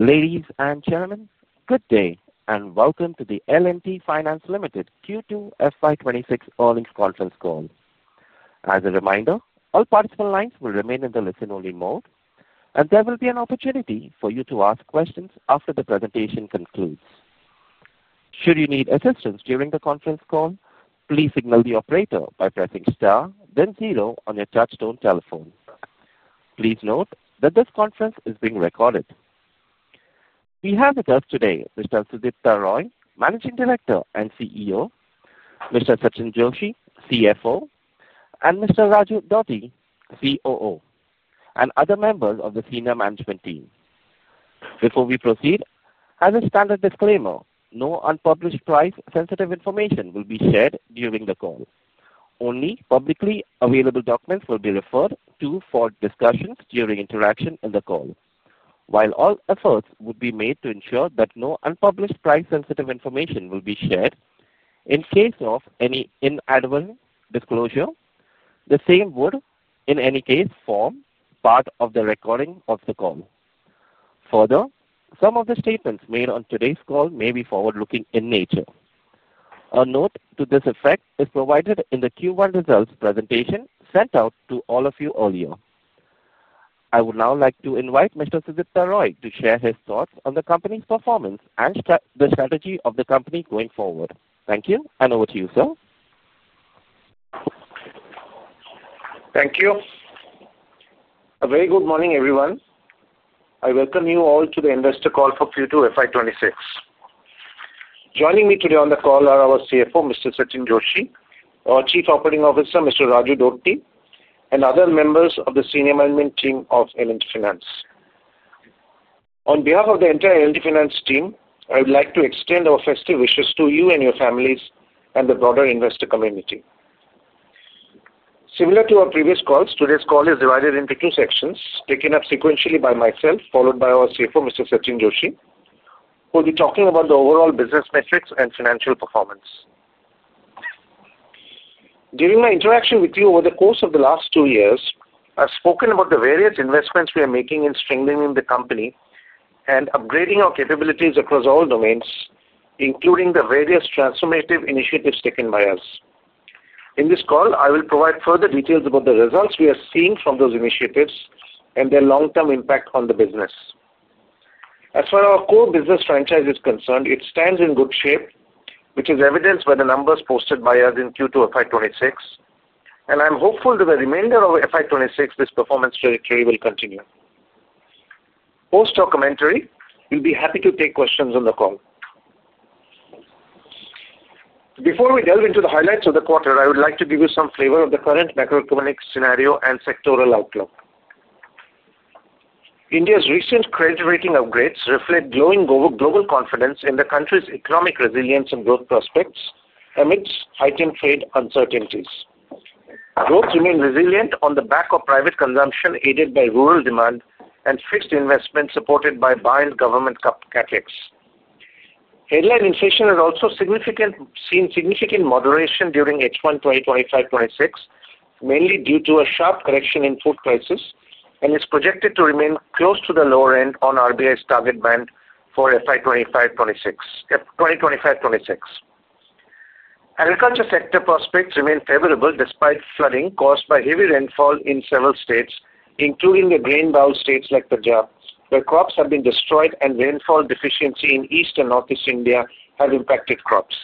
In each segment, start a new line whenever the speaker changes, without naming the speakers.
Ladies and gentlemen, good day and welcome to the L&T Finance Limited Q2 FY 2026 earnings conference call. As a reminder, all participant lines will remain in the listen-only mode, and there will be an opportunity for you to ask questions after the presentation concludes. Should you need assistance during the conference call, please signal the operator by pressing star, then zero on your touch-tone telephone. Please note that this conference is being recorded. We have with us today Mr. Sudipta Roy, Managing Director and CEO, Mr. Sachinn Joshi, CFO, and Mr. Raju Dodti, COO, and other members of the senior management team. Before we proceed, as a standard disclaimer, no unpublished price-sensitive information will be shared during the call. Only publicly available documents will be referred to for discussion during interaction in the call. While all efforts would be made to ensure that no unpublished price-sensitive information will be shared, in case of any inadvertent disclosure, the same would, in any case, form part of the recording of the call. Further, some of the statements made on today's call may be forward-looking in nature. A note to this effect is provided in the Q1 results presentation sent out to all of you earlier. I would now like to invite Mr. Sudipta Roy to share his thoughts on the company's performance and the strategy of the company going forward. Thank you, and over to you, sir.
Thank you. A very good morning, everyone. I welcome you all to the investor call for Q2 FY 2026. Joining me today on the call are our CFO, Mr. Sachinn Joshi, our Chief Operating Officer, Mr. Raju Dodti, and other members of the senior management team of L&T Finance. On behalf of the entire L&T Finance team, I would like to extend our festive wishes to you and your families and the broader investor community. Similar to our previous calls, today's call is divided into two sections, taken up sequentially by myself, followed by our CFO, Mr. Sachinn Joshi, who will be talking about the overall business metrics and financial performance. During my interaction with you over the course of the last two years, I've spoken about the various investments we are making in strengthening the company and upgrading our capabilities across all domains, including the various transformative initiatives taken by us. In this call, I will provide further details about the results we are seeing from those initiatives and their long-term impact on the business. As far as our core business franchise is concerned, it stands in good shape, which is evidenced by the numbers posted by us in Q2 FY 2026, and I'm hopeful that in the remainder of FY 2026 this performance trajectory will continue. Post our commentary, we'll be happy to take questions on the call. Before we delve into the highlights of the quarter, I would like to give you some flavor of the current macroeconomic scenario and sectoral outlook. India's recent credit rating upgrades reflect growing global confidence in the country's economic resilience and growth prospects amidst heightened trade uncertainties. Growth remains resilient on the back of private consumption aided by rural demand and fixed investment supported by private and government CapEx. Headline inflation has also seen significant moderation during H1 2025-2026, mainly due to a sharp correction in food prices, and is projected to remain close to the lower end of RBI's target band for FY 2025-2026. Agriculture sector prospects remain favorable despite flooding caused by heavy rainfall in several states, including the grain-bowl states like Punjab, where crops have been destroyed and rainfall deficiency in east and northeast India have impacted crops.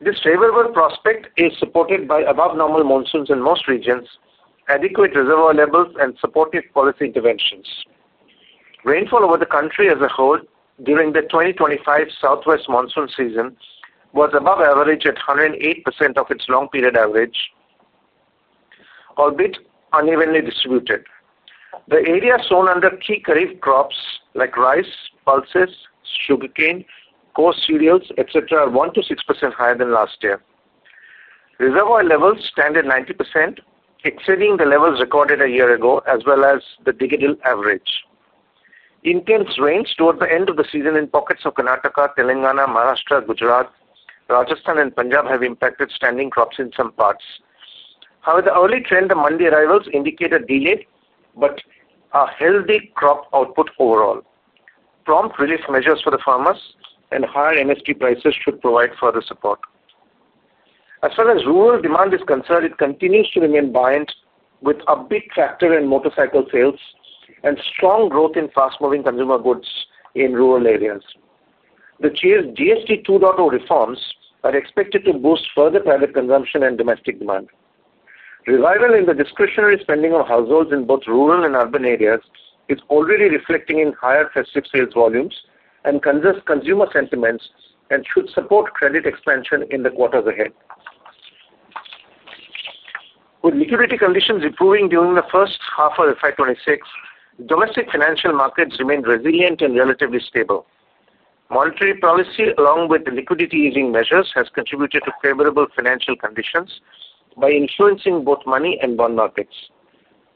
This favorable prospect is supported by above-normal monsoons in most regions, adequate reservoir levels, and supportive policy interventions. Rainfall over the country as a whole during the 2025 southwest monsoon season was above average at 108% of its long-period average, albeit unevenly distributed. The areas sown under key credit crops like rice, pulses, sugarcane, coarse cereals, etc., are 1%-6% higher than last year. Reservoir levels stand at 90%, exceeding the levels recorded a year ago, as well as the decadal average. Intense rains toward the end of the season in pockets of Karnataka, Telangana, Maharashtra, Gujarat, Rajasthan, and Punjab have impacted standing crops in some parts. However, the early trend of mandi arrivals indicates a delay but a healthy crop output overall. Prompt relief measures for the farmers and higher MSP prices should provide further support. As far as rural demand is concerned, it continues to remain buoyant with upbeat tractor and motorcycle sales and strong growth in fast-moving consumer goods in rural areas. The GST 2.0 reforms are expected to boost further private consumption and domestic demand. Revival in the discretionary spending of households in both rural and urban areas is already reflecting in higher festive sales volumes and consumer sentiments and should support credit expansion in the quarters ahead. With liquidity conditions improving during the first half of FY 2026, domestic financial markets remain resilient and relatively stable. Monetary policy, along with liquidity easing measures, has contributed to favorable financial conditions by influencing both money and bond markets.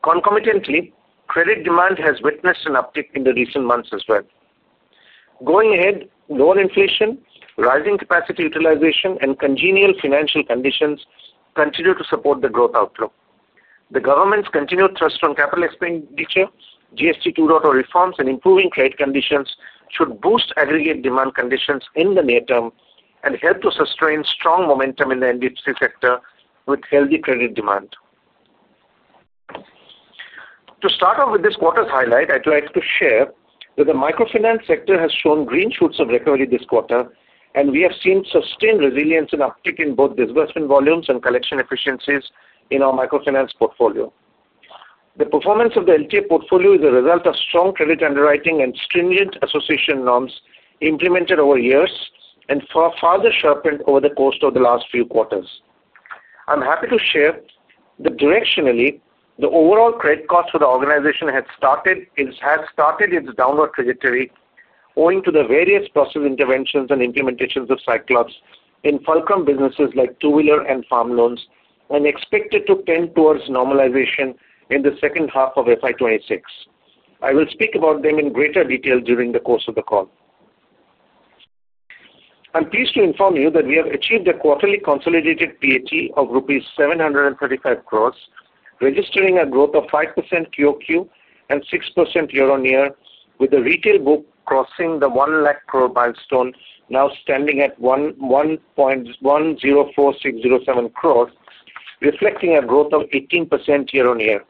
Concomitantly, credit demand has witnessed an uptick in the recent months as well. Going ahead, lower inflation, rising capacity utilization, and congenial financial conditions continue to support the growth outlook. The government's continued thrust on capital expenditure, GST 2.0 reforms, and improving trade conditions should boost aggregate demand conditions in the near term and help to sustain strong momentum in the NBFC sector with healthy credit demand. To start off with this quarter's highlight, I'd like to share that the microfinance sector has shown green shoots of recovery this quarter, and we have seen sustained resilience and uptick in both disbursement volumes and collection efficiencies in our microfinance portfolio. The performance of the LTF portfolio is a result of strong credit underwriting and stringent association norms implemented over years and further sharpened over the course of the last few quarters. I'm happy to share that directionally, the overall credit cost for the organization has started its downward trajectory owing to the various process interventions and implementations of Cyclops in fulcrum businesses like two-wheeler and farm loans and expected to tend towards normalization in the second half of FY 2026. I will speak about them in greater detail during the course of the call. I'm pleased to inform you that we have achieved a quarterly consolidated PAT of rupees 735 crores, registering a growth of 5% QOQ and 6% year-on-year, with the retail book crossing the 1 lakh crore milestone, now standing at 1,104,607 crores, reflecting a growth of 18% year-on-year.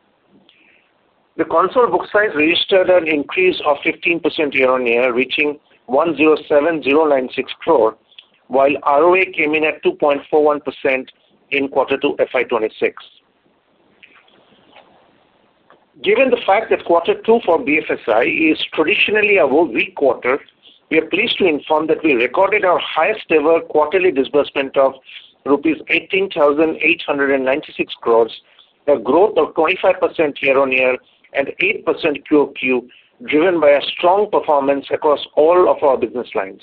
The consolidated book size registered an increase of 15% year-on-year, reaching 1,070,906 crore, while ROA came in at 2.41% in quarter two FY26. Given the fact that quarter two for BFSI is traditionally a weak quarter, we are pleased to inform that we recorded our highest-ever quarterly disbursement of rupees 18,896 crores, a growth of 25% year-on-year and 8% QOQ, driven by a strong performance across all of our business lines.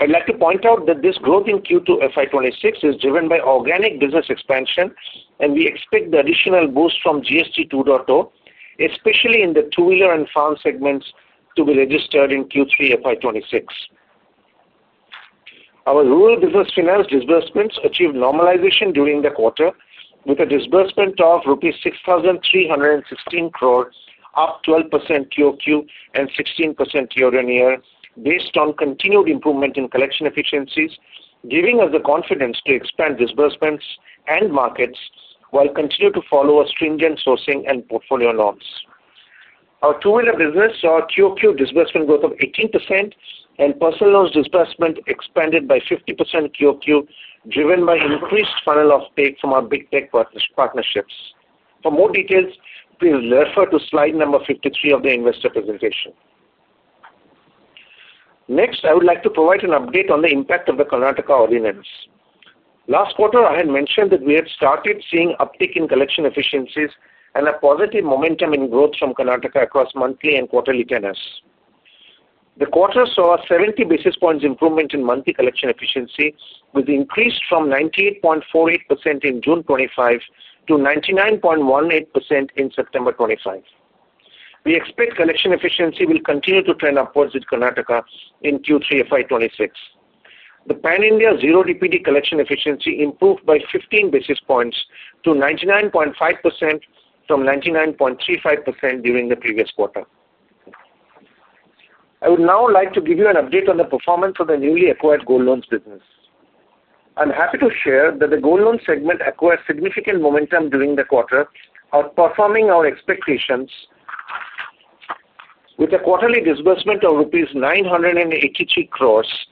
I'd like to point out that this growth in Q2 FY 2026 is driven by organic business expansion, and we expect the additional boost from GST 2.0, especially in the two-wheeler and farm segments, to be registered in Q3 FY 2026. Our rural business finance disbursements achieved normalization during the quarter, with a disbursement of rupees 6,316 crore, up 12% QOQ and 16% year-on-year, based on continued improvement in collection efficiencies, giving us the confidence to expand disbursements and markets while continuing to follow a stringent sourcing and portfolio norms. Our two-wheeler business saw QOQ disbursement growth of 18%, and personal loans disbursement expanded by 50% QOQ, driven by increased funnel uptake from our big tech partnerships. For more details, please refer to slide number 53 of the investor presentation. Next, I would like to provide an update on the impact of the Karnataka ordinance. Last quarter, I had mentioned that we had started seeing uptick in collection efficiencies and a positive momentum in growth from Karnataka across monthly and quarterly tenors. The quarter saw a 70 basis points improvement in monthly collection efficiency, with the increase from 98.48% in June 2025 to 99.18% in September 2025. We expect collection efficiency will continue to trend upwards in Karnataka in Q3 FY 2026. The pan-India zero DPD collection efficiency improved by 15 basis points to 99.5% from 99.35% during the previous quarter. I would now like to give you an update on the performance of the newly acquired gold loans business. I'm happy to share that the gold loan segment acquired significant momentum during the quarter, outperforming our expectations, with a quarterly disbursement of rupees 983 crores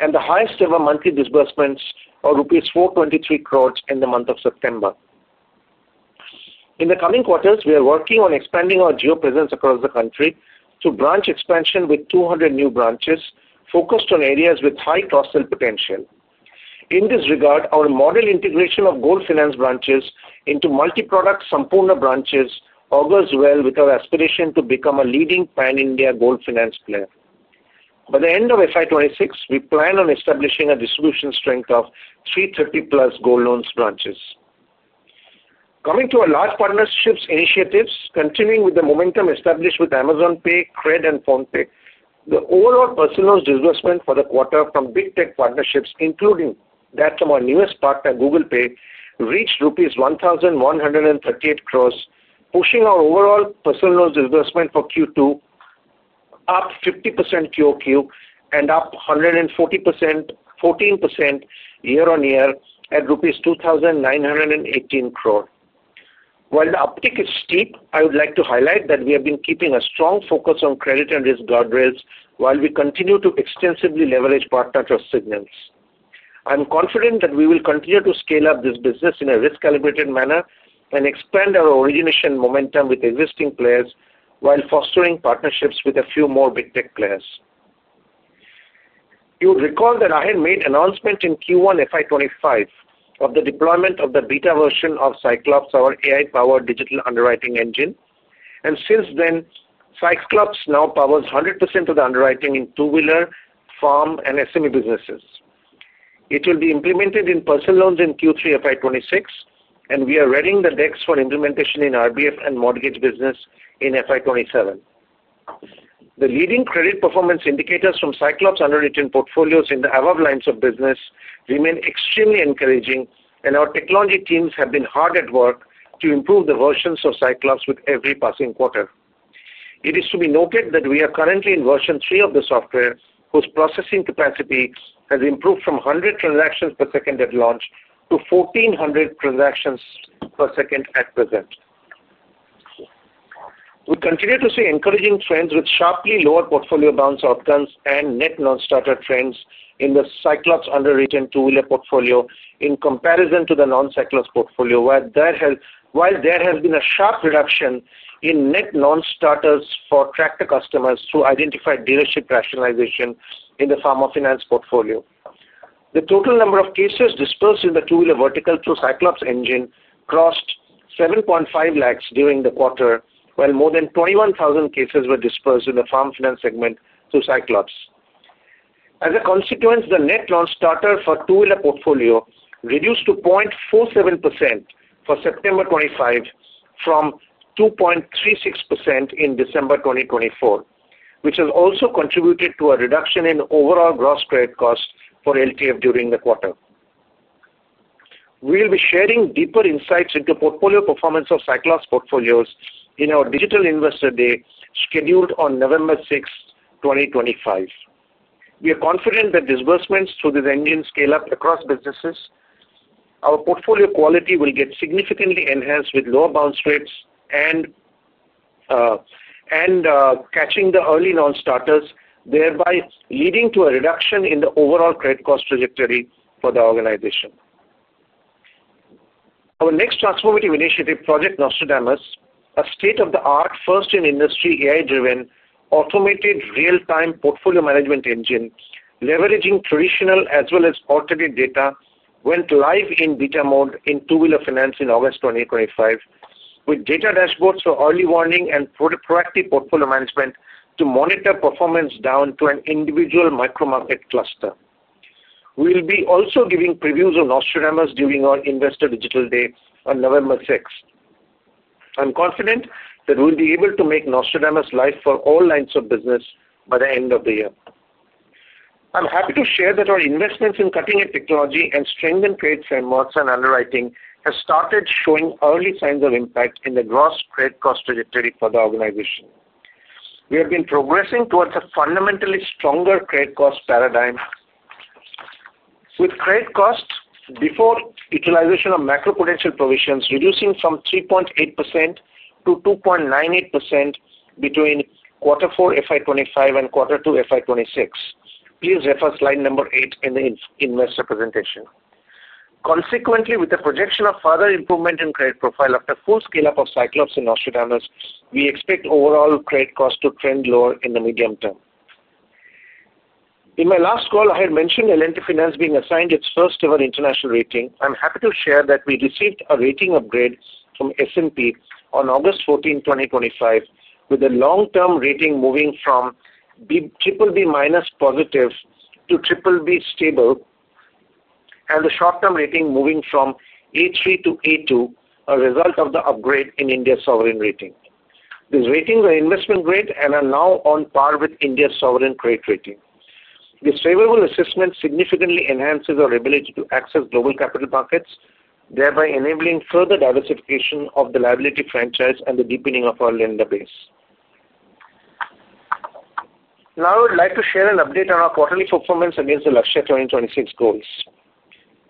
and the highest-ever monthly disbursements of rupees 423 crores in the month of September. In the coming quarters, we are working on expanding our geo-presence across the country through branch expansion with 200 new branches focused on areas with high cross-sell potential. In this regard, our model integration of gold finance branches into multi-product Sampoorna branches augurs well with our aspiration to become a leading pan-India gold finance player. By the end of FY 2026, we plan on establishing a distribution strength of 330+ gold loans branches. Coming to our large partnerships initiatives, continuing with the momentum established with Amazon Pay, CRED, and PhonePe, the overall personal loans disbursement for the quarter from big tech partnerships, including that from our newest partner, Google Pay, reached rupees 1,138 crores, pushing our overall personal loans disbursement for Q2 up 50% QOQ and up 140% year-on-year at rupees 2,918 crore. While the uptick is steep, I would like to highlight that we have been keeping a strong focus on credit and risk guardrails while we continue to extensively leverage partner trust signals. I'm confident that we will continue to scale up this business in a risk-calibrated manner and expand our origination momentum with existing players while fostering partnerships with a few more big tech players. You would recall that I had made announcement in Q1 FY 2025 of the deployment of the beta version of Cyclops, our AI-powered digital underwriting engine, and since then, Cyclops now powers 100% of the underwriting in two-wheeler, farm, and SME businesses. It will be implemented in personal loans in Q3 FY 2026, and we are readying the decks for implementation in RBF and mortgage business in FY 2027. The leading credit performance indicators from Cyclops underwritten portfolios in the above lines of business remain extremely encouraging, and our technology teams have been hard at work to improve the versions of Cyclops with every passing quarter. It is to be noted that we are currently in version three of the software, whose processing capacity has improved from 100 transactions per second at launch to 1,400 transactions per second at present. We continue to see encouraging trends with sharply lower portfolio bounce outcomes and net non-starter trends in the Cyclops underwritten two-wheeler portfolio in comparison to the non-Cyclops portfolio, while there has been a sharp reduction in net non-starters for tractor customers through identified dealership rationalization in the Farm Finance portfolio. The total number of cases disbursed in the two-wheeler vertical through Cyclops engine crossed 7.5 lakhs during the quarter, while more than 21,000 cases were disbursed in the pharma finance segment through Cyclops. As a consequence, the net non-starter for two-wheeler portfolio reduced to 0.47% for September 2025 from 2.36% in December 2024, which has also contributed to a reduction in overall gross credit cost for LTF during the quarter. We will be sharing deeper insights into portfolio performance of Cyclops portfolios in our digital investor day scheduled on November 6, 2025. We are confident that disbursements through this engine scale up across businesses. Our portfolio quality will get significantly enhanced with lower bounce rates and catching the early non-starters, thereby leading to a reduction in the overall credit cost trajectory for the organization. Our next transformative initiative, Project Nostradamus, a state-of-the-art, first-in-industry, AI-driven automated real-time portfolio management engine leveraging traditional as well as qualitative data, went live in beta mode in two-wheeler finance in August 2025, with data dashboards for early warning and proactive portfolio management to monitor performance down to an individual micro-market cluster. We will be also giving previews of Nostradamus during our investor digital day on November 6. I'm confident that we'll be able to make Nostradamus live for all lines of business by the end of the year. I'm happy to share that our investments in cutting-edge technology and strengthened credit frameworks and underwriting have started showing early signs of impact in the gross credit cost trajectory for the organization. We have been progressing towards a fundamentally stronger credit cost paradigm, with credit cost before utilization of macro-prudential provisions reducing from 3.8% to 2.98% between quarter four FY 2025 and quarter two FY 2026. Please refer slide number eight in the investor presentation. Consequently, with the projection of further improvement in credit profile after full scale-up of Cyclops and Nostradamus, we expect overall credit cost to trend lower in the medium term. In my last call, I had mentioned L&T Finance being assigned its first-ever international rating. I'm happy to share that we received a rating upgrade from S&P on August 14, 2025, with the long-term rating moving from BBB- positive to BBB stable, and the short-term rating moving from A3 to A2, a result of the upgrade in India's sovereign rating. These ratings are investment-grade and are now on par with India's sovereign trade rating. This favorable assessment significantly enhances our ability to access global capital markets, thereby enabling further diversification of the liability franchise and the deepening of our lender base. Now, I would like to share an update on our quarterly performance against the Lakshya 2026 goals.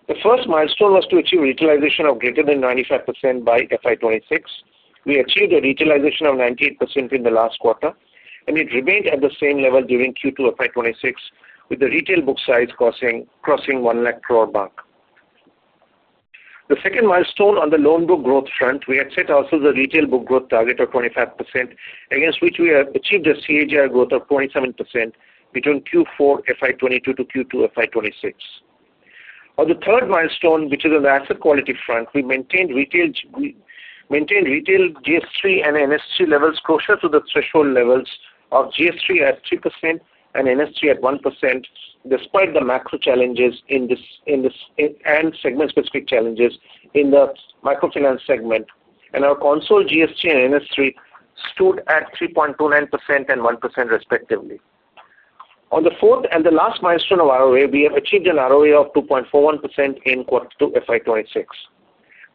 The first milestone was to achieve utilization of greater than 95% by FY 2026. We achieved a utilization of 98% in the last quarter, and it remained at the same level during Q2 FY 2026, with the retail book size crossing 1 lakh crore mark. The second milestone on the loan book growth front, we had set also the retail book growth target of 25%, against which we had achieved a CAGR growth of 27% between Q4 FY 2022 to Q2 FY 2026. On the third milestone, which is on the asset quality front, we maintained retail GS3 and NS3 levels closer to the threshold levels of GS3 at 3% and NS3 at 1%, despite the macro challenges and segment-specific challenges in the microfinance segment, and our consolidated GS3 and NS3 stood at 3.29% and 1%, respectively. On the fourth and the last milestone of ROA, we have achieved an ROA of 2.41% in quarter two FY 2026.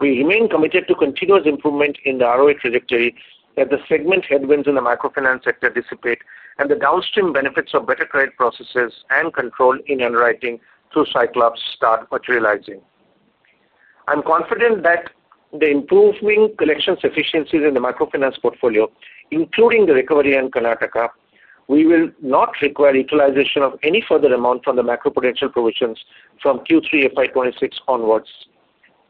We remain committed to continuous improvement in the ROA trajectory as the segment headwinds in the microfinance sector dissipate and the downstream benefits of better credit processes and control in underwriting through Cyclops start materializing. I'm confident that the improving collection efficiencies in the microfinance portfolio, including the recovery in Karnataka, will not require utilization of any further amount from the macro-prudential provisions from Q3 FY 2026 onwards.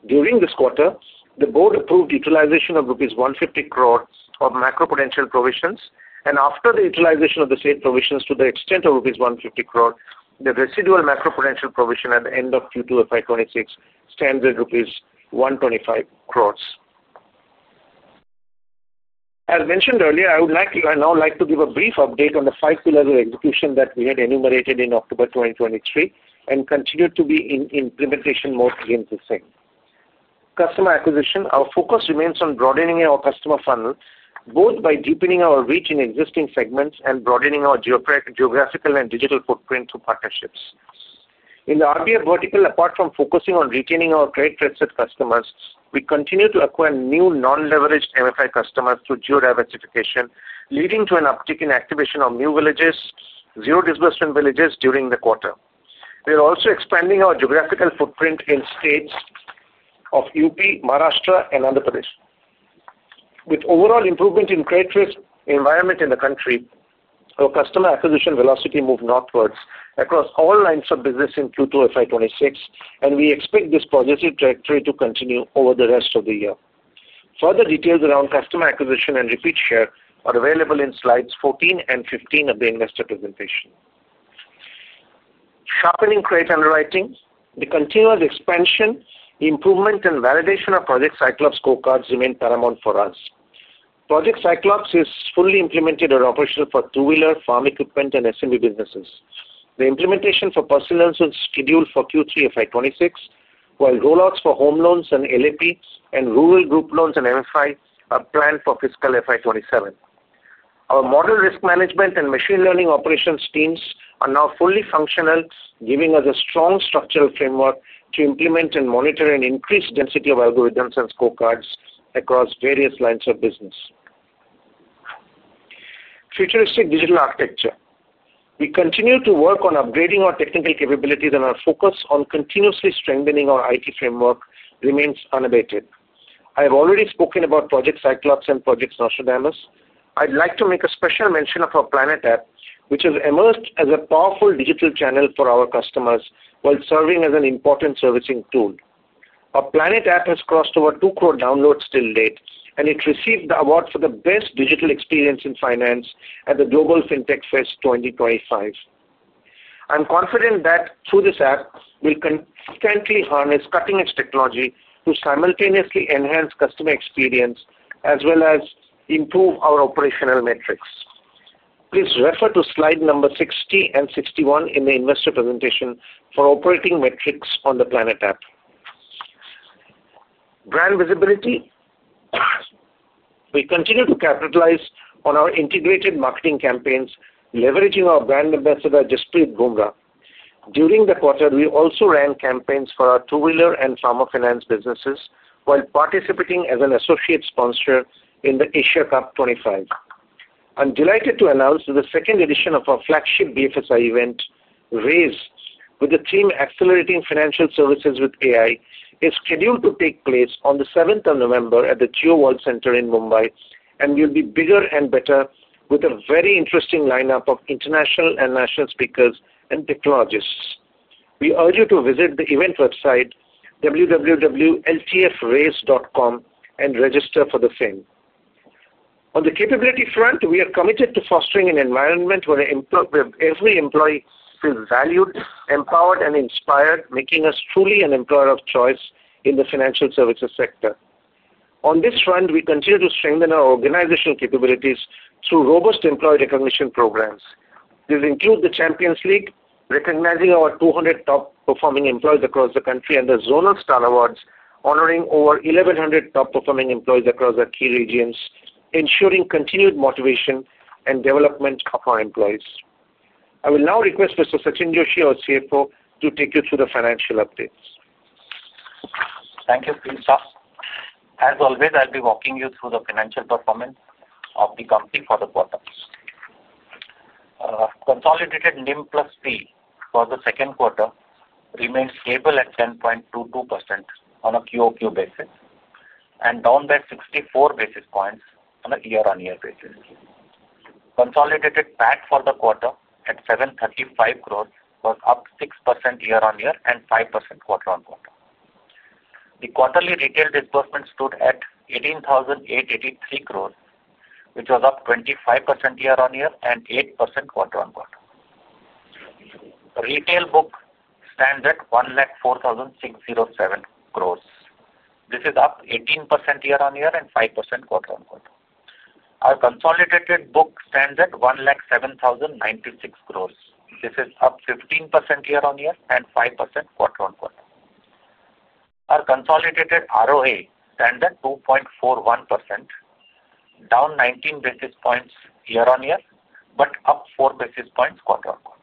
During this quarter, the board approved utilization of rupees 150 crore of macro-prudential provisions, and after the utilization of the said provisions to the extent of rupees 150 crore, the residual macro-prudential provision at the end of Q2 FY 2026 stands at rupees 125 crores. As mentioned earlier, I would now like to give a brief update on the five pillars of execution that we had enumerated in October 2023 and continue to be in implementation mode against the same. Customer acquisition, our focus remains on broadening our customer funnel, both by deepening our reach in existing segments and broadening our geographical and digital footprint through partnerships. In the RBF vertical, apart from focusing on retaining our trade-trusted customers, we continue to acquire new non-leveraged MFI customers through geo-diversification, leading to an uptick in activation of new villages, zero-disbursement villages during the quarter. We are also expanding our geographical footprint in states of UP, Maharashtra, and Andhra Pradesh. With overall improvement in credit risk environment in the country, our customer acquisition velocity moved northwards across all lines of business in Q2 FY 2026, and we expect this progressive trajectory to continue over the rest of the year. Further details around customer acquisition and repeat share are available in slides 14 and 15 of the investor presentation. Sharpening credit underwriting, the continuous expansion, improvement, and validation of Project Cyclops scorecards remain paramount for us. Project Cyclops is fully implemented and operational for two-wheeler, farm equipment, and SME businesses. The implementation for personal loans was scheduled for Q3 FY 2026, while rollouts for home loans and L&T and rural group loans and MFI are planned for fiscal FY 2027. Our model risk management and machine learning operations teams are now fully functional, giving us a strong structural framework to implement and monitor an increased density of algorithms and scorecards across various lines of business. Futuristic digital architecture. We continue to work on upgrading our technical capabilities, and our focus on continuously strengthening our IT framework remains unabated. I have already spoken about Project Cyclops and Project Nostradamus. I'd like to make a special mention of our Planet app, which has emerged as a powerful digital channel for our customers while serving as an important servicing tool. Our Planet app has crossed over 2 crore downloads till date, and it received the award for the best digital experience in finance at the Global FinTech Fest 2025. I'm confident that through this app, we'll consistently harness cutting-edge technology to simultaneously enhance customer experience as well as improve our operational metrics. Please refer to slide number 60 and 61 in the investor presentation for operating metrics on the Planet app. Brand visibility. We continue to capitalize on our integrated marketing campaigns, leveraging our brand ambassador, Jasprit Bumrah. During the quarter, we also ran campaigns for our two-wheeler and pharma finance businesses while participating as an associate sponsor in the Asia Cup 2025. I'm delighted to announce that the second edition of our flagship BFSI event, RAISE, with the theme "Accelerating Financial Services with AI," is scheduled to take place on the 7th of November at the Jio World Centre in Mumbai and will be bigger and better with a very interesting lineup of international and national speakers and technologists. We urge you to visit the event website, www.ltfraise.com, and register for the same. On the capability front, we are committed to fostering an environment where every employee feels valued, empowered, and inspired, making us truly an employer of choice in the financial services sector. On this front, we continue to strengthen our organizational capabilities through robust employee recognition programs. This includes the Champions League, recognizing our 200 top-performing employees across the country, and the Zonal Star Awards, honoring over 1,100 top-performing employees across our key regions, ensuring continued motivation and development of our employees. I will now request Mr. Sachinn Joshi, our CFO, to take you through the financial updates.
Thank you, Sudipta. As always, I'll be walking you through the financial performance of the company for the quarter. Consolidated NIM plus Fee for the second quarter remained stable at 10.22% on a QOQ basis and down by 64 basis points on a year-on-year basis. Consolidated PAT for the quarter at 735 crore was up 6% year-on-year and 5% quarter-on-quarter. The quarterly retail disbursement stood at 18,883 crore, which was up 25% year-on-year and 8% quarter-on-quarter. Retail book stands at 104,607 crore. This is up 18% year-on-year and 5% quarter-on-quarter. Our consolidated book stands at 107,096 crore. This is up 15% year-on-year and 5% quarter-on-quarter. Our consolidated ROA stands at 2.41%, down 19 basis points year-on-year, but up 4 basis points quarter-on-quarter.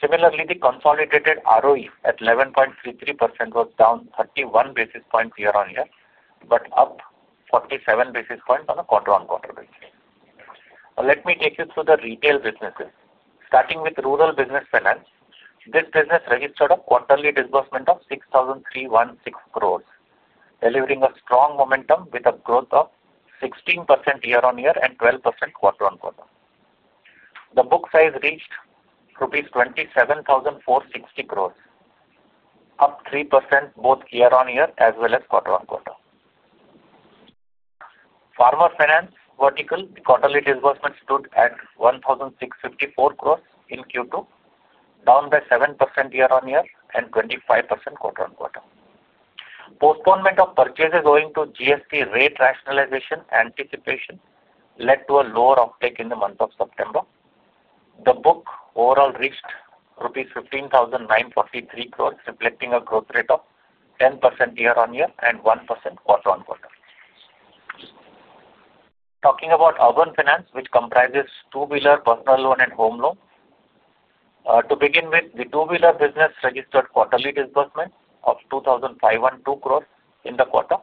Similarly, the consolidated ROE at 11.33% was down 31 basis points year-on-year, but up 47 basis points on a quarter-on-quarter basis. Let me take you through the retail businesses. Starting with Rural Business Finance, this business registered a quarterly disbursement of 6,316 crore, delivering a strong momentum with a growth of 16% year-on-year and 12% quarter-on-quarter. The book size reached rupees 27,460 crore, up 3% both year-on-year as well as quarter-on-quarter. Pharma Finance vertical, the quarterly disbursement stood at 1,654 crore in Q2, down by 7% year-on-year and 25% quarter-on-quarter. Postponement of purchases owing to GST rate rationalization anticipation led to a lower uptake in the month of September. The book overall reached rupees 15,943 crore, reflecting a growth rate of 10% year-on-year and 1% quarter-on-quarter. Talking about urban finance, which comprises two-wheeler, personal loan, and home loan, to begin with, the two-wheeler business registered quarterly disbursement of 2,502 crore in the quarter.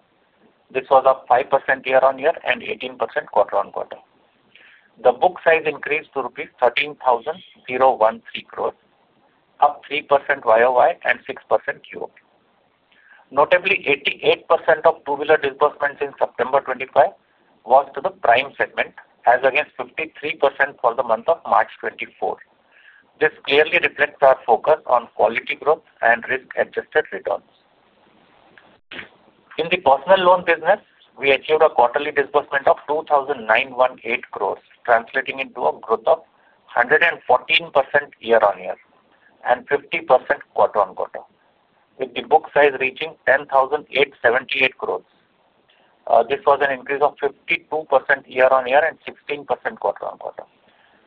This was up 5% year-on-year and 18% quarter-on-quarter. The book size increased to rupees 13,013 crore, up 3% YOY and 6% QO. Notably, 88% of two-wheeler disbursements in September 2025 was to the prime segment, as against 53% for the month of March 2024. This clearly reflects our focus on quality growth and risk-adjusted returns. In the personal loan business, we achieved a quarterly disbursement of 2,918 crore, translating into a growth of 114% year-on-year and 50% quarter-on-quarter, with the book size reaching 10,878 crore rupees. This was an increase of 52% year-on-year and 16% quarter-on-quarter,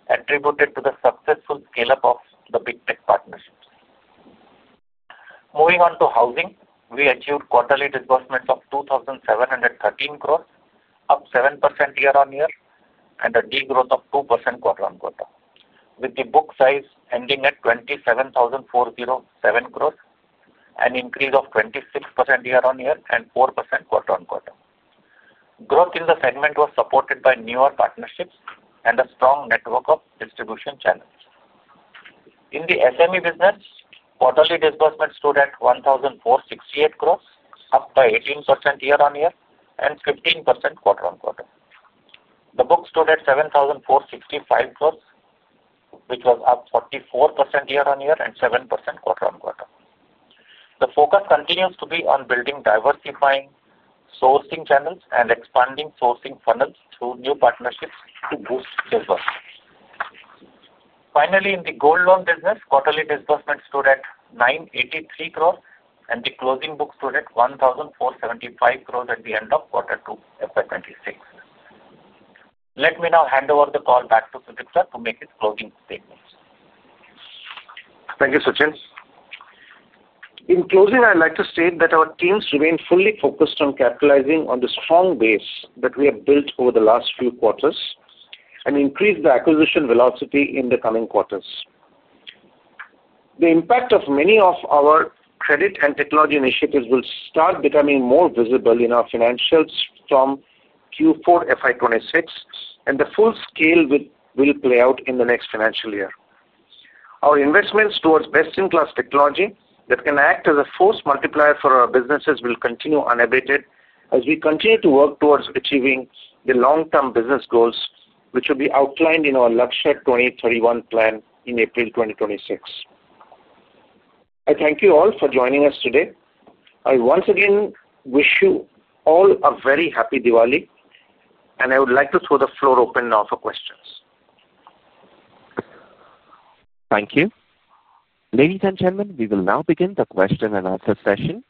attributed to the successful scale-up of the big tech partnerships. Moving on to housing, we achieved quarterly disbursements of 2,713 crore, up 7% year-on-year, and a degrowth of 2% quarter-on-quarter, with the book size ending at 27,407 crore, an increase of 26% year-on-year and 4% quarter-on-quarter. Growth in the segment was supported by newer partnerships and a strong network of distribution channels. In the SME business, quarterly disbursements stood at 1,468 crore, up by 18% year-on-year and 15% quarter-on-quarter. The book stood at 7,465 crore, which was up 44% year-on-year and 7% quarter-on-quarter. The focus continues to be on building diversifying sourcing channels and expanding sourcing funnels through new partnerships to boost disbursements. Finally, in the gold loan business, quarterly disbursements stood at 983 crore, and the closing book stood at 1,475 crore at the end of quarter two FY 2026. Let me now hand over the call back to Sudipta to make his closing statements.
Thank you, Sachinn. In closing, I'd like to state that our teams remain fully focused on capitalizing on the strong base that we have built over the last few quarters and increase the acquisition velocity in the coming quarters. The impact of many of our credit and technology initiatives will start becoming more visible in our financials from Q4 FY 2026, and the full scale will play out in the next financial year. Our investments towards best-in-class technology that can act as a force multiplier for our businesses will continue unabated as we continue to work towards achieving the long-term business goals, which will be outlined in our Lakshya 2031 plan in April 2026. I thank you all for joining us today. I once again wish you all a very happy Diwali, and I would like to throw the floor open now for questions.
Thank you. Ladies and gentlemen, we will now begin the question and answer session.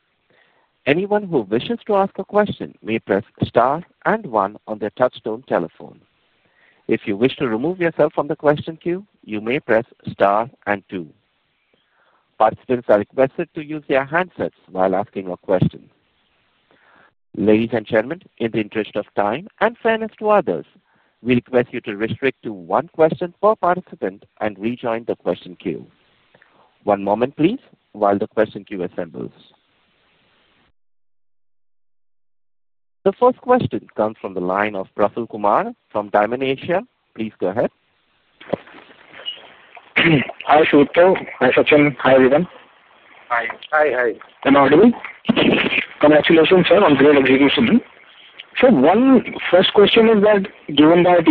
Anyone who wishes to ask a question may press star and one on their touch-tone telephone. If you wish to remove yourself from the question queue, you may press star and two. Participants are requested to use their handsets while asking a question. Ladies and gentlemen, in the interest of time and fairness to others, we request you to restrict to one question per participant and rejoin the question queue. One moment, please, while the question queue assembles. The first question comes from the line of Praful Kumar from DYMON ASIA. Please go ahead.
Hi, Sudipta. Hi, Sachinn. Hi, everyone.
Hi. Hi. Hi.
I'm audible? Congratulations, sir, on great execution. Sir, my first question is that given that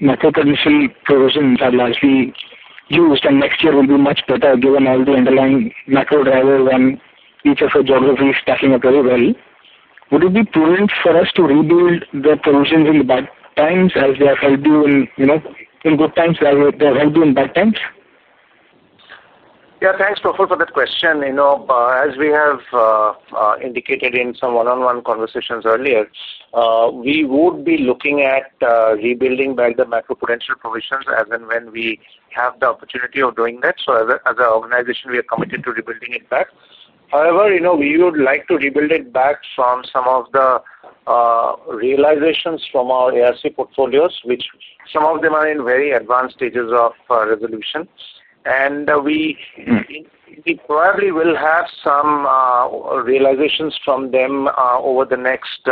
macro-prudential provisions are largely used, and next year will be much better given all the underlying macro drivers and each of the geographies tackling it very well, would it be prudent for us to rebuild the provisions in the bad times as they have helped you in good times as they have helped you in bad times?
Yeah, thanks, Praful, for that question. As we have indicated in some one-on-one conversations earlier, we would be looking at rebuilding back the macro-prudential provisions as and when we have the opportunity of doing that. So, as an organization, we are committed to rebuilding it back. However, we would like to rebuild it back from some of the realizations from our ARC portfolios, which some of them are in very advanced stages of resolution. And we probably will have some realizations from them over the next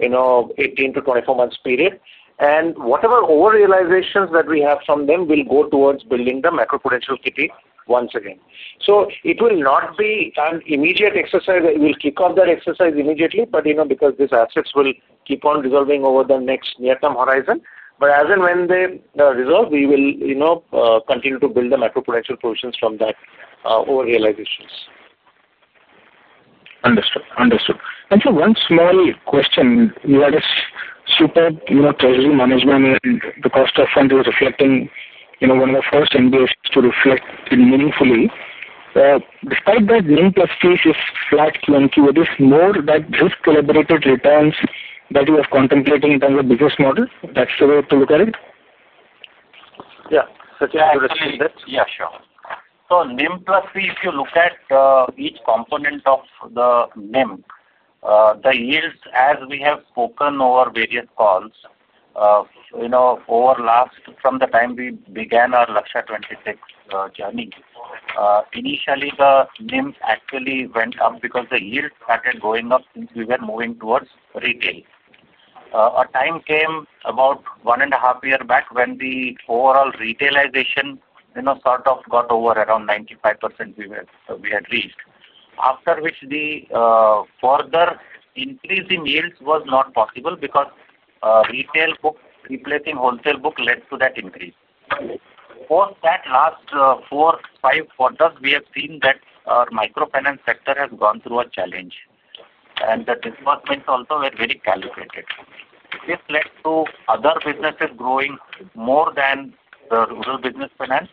18-24 months period. And whatever over-realizations that we have from them will go towards building the macro-prudential kitty once again. So, it will not be an immediate exercise. We'll kick off that exercise immediately, but because these assets will keep on resolving over the next near-term horizon. But as and when they resolve, we will continue to build the macro-prudential provisions from that over-realizations.
Understood. Understood. And sir, one small question. You had a super treasury management, and the cost of fund is reflecting one of the first NBFCs to reflect meaningfully. Despite that, NIM plus P is flat Q and Q. Is this more that risk-elaborated returns that you are contemplating in terms of business model? That's the way to look at it?
Yeah. Sachinn, could you explain that?
Yeah, sure. NIM plus P, if you look at each component of the NIM, the yields, as we have spoken over various calls over the last from the time we began our Lakshya 2026 journey, initially, the NIM actually went up because the yields started going up since we were moving towards retail. A time came about one and a half years back when the overall retailization sort of got over around 95% we had reached, after which the further increase in yields was not possible because retail book replacing wholesale book led to that increase. Post that last four, five quarters, we have seen that our microfinance sector has gone through a challenge, and the disbursements also were very calibrated. This led to other businesses growing more than the rural business finance,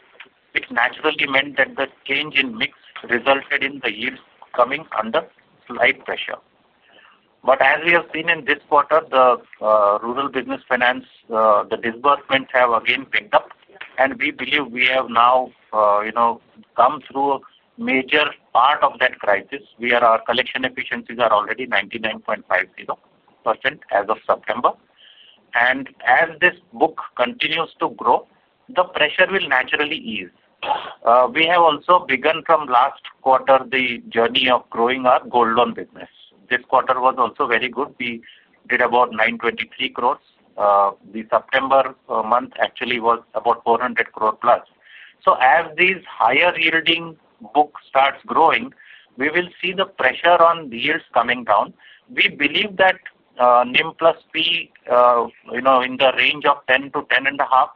which naturally meant that the change in mix resulted in the yields coming under slight pressure. But as we have seen in this quarter, the rural business finance, the disbursements have again picked up, and we believe we have now come through a major part of that crisis. Our collection efficiencies are already 99.50% as of September. And as this book continues to grow, the pressure will naturally ease. We have also begun from last quarter the journey of growing our gold loan business. This quarter was also very good. We did about 923 crores. The September month actually was about 400+ crore. So, as these higher-yielding book starts growing, we will see the pressure on yields coming down. We believe that NIM plus P in the range of 10%-10.5%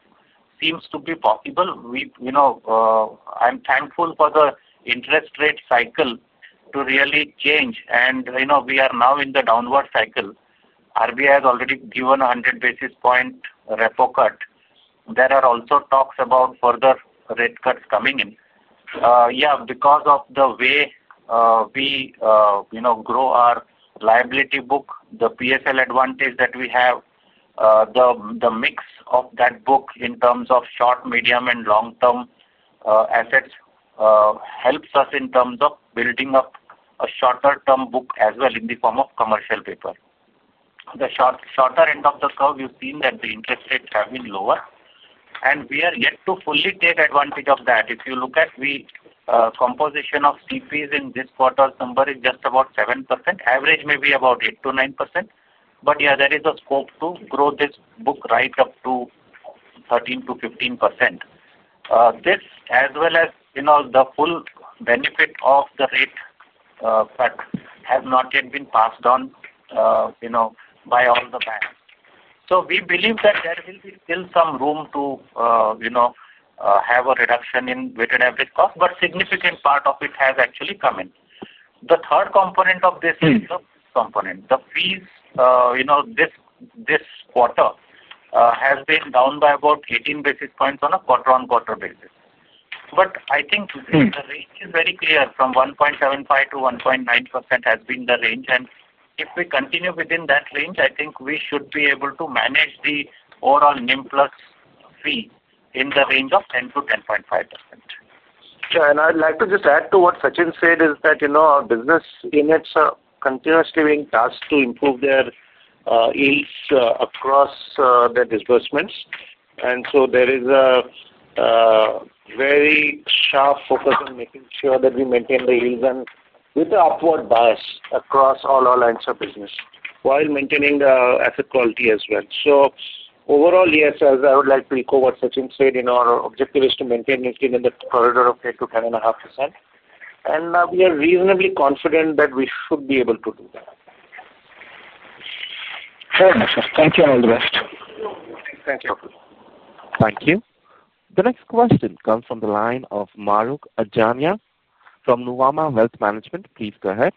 seems to be possible. I'm thankful for the interest rate cycle to really change, and we are now in the downward cycle. RBI has already given a 100 basis point repo cut. There are also talks about further rate cuts coming in. Yeah, because of the way we grow our liability book, the PSL advantage that we have, the mix of that book in terms of short, medium, and long-term assets helps us in terms of building up a shorter-term book as well in the form of commercial paper. The shorter end of the curve, you've seen that the interest rates have been lower, and we are yet to fully take advantage of that. If you look at the composition of CPs in this quarter, the number is just about 7%. Average may be about 8%-9%, but yeah, there is a scope to grow this book right up to 13%-15%. This, as well as the full benefit of the rate cut, has not yet been passed on by all the banks. So, we believe that there will be still some room to have a reduction in weighted average cost, but a significant part of it has actually come in. The third component of this is the fees component. The fees this quarter have been down by about 18 basis points on a quarter-on-quarter basis. But I think the range is very clear. From 1.75%-1.9% has been the range, and if we continue within that range, I think we should be able to manage the overall NIM plus fee in the range of 10%-10.5%.
Yeah, and I'd like to just add to what Sachinn said is that our business units are continuously being tasked to improve their yields across their disbursements. And so, there is a very sharp focus on making sure that we maintain the yields with the upward bias across all our lines of business while maintaining asset quality as well. So, overall, yes, as I would like to echo what Sachinn said, our objective is to maintain it within the corridor of 10%-10.5%, and we are reasonably confident that we should be able to do that.
Fair enough. Thank you. All the best.
Thank you.
Thank you. The next question comes from the line of Mahrukh Adajania from Nuvama Wealth Management. Please go ahead.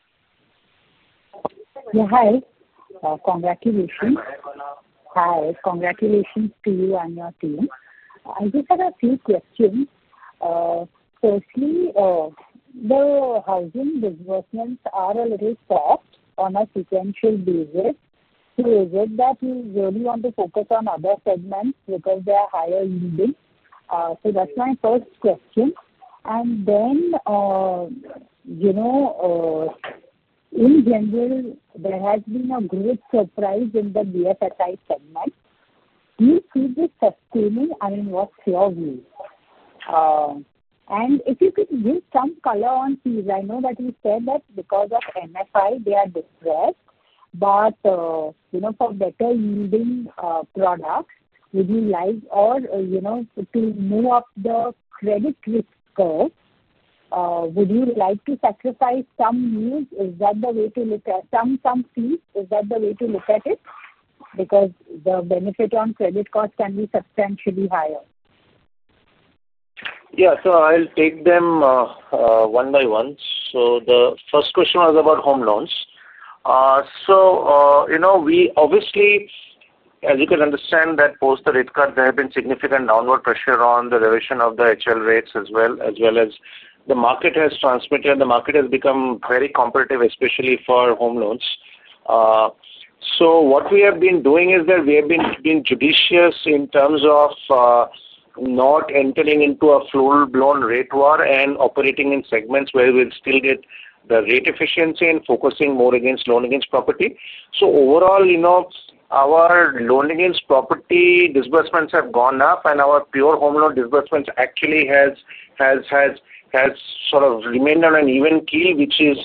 Yeah, hi. Congratulations. Hi. Congratulations to you and your team. I just had a few questions. Firstly, the housing disbursements are a little soft on a sequential basis. So, is it that we really want to focus on other segments because they are higher yielding? That's my first question. And then, in general, there has been a great surprise in the BFSI segment. Do you see this sustaining? I mean, what's your view? And if you could give some color on fees, I know that you said that because of MFI, they are depressed, but for better-yielding products, would you like to move up the credit risk curve? Would you like to sacrifice some yields? Is that the way to look at some fees? Is that the way to look at it? Because the benefit on credit costs can be substantially higher.
Yeah, I'll take them one by one. The first question was about home loans. Obviously, as you can understand that post the rate cut, there has been significant downward pressure on the revision of the HL rates as well, as well as the market has transmitted. The market has become very competitive, especially for home loans. So, what we have been doing is that we have been judicious in terms of not entering into a full-blown rate war and operating in segments where we'll still get the rate efficiency and focusing more against loan against property. So, overall, our loan against property disbursements have gone up, and our pure home loan disbursements actually have sort of remained on an even keel, which has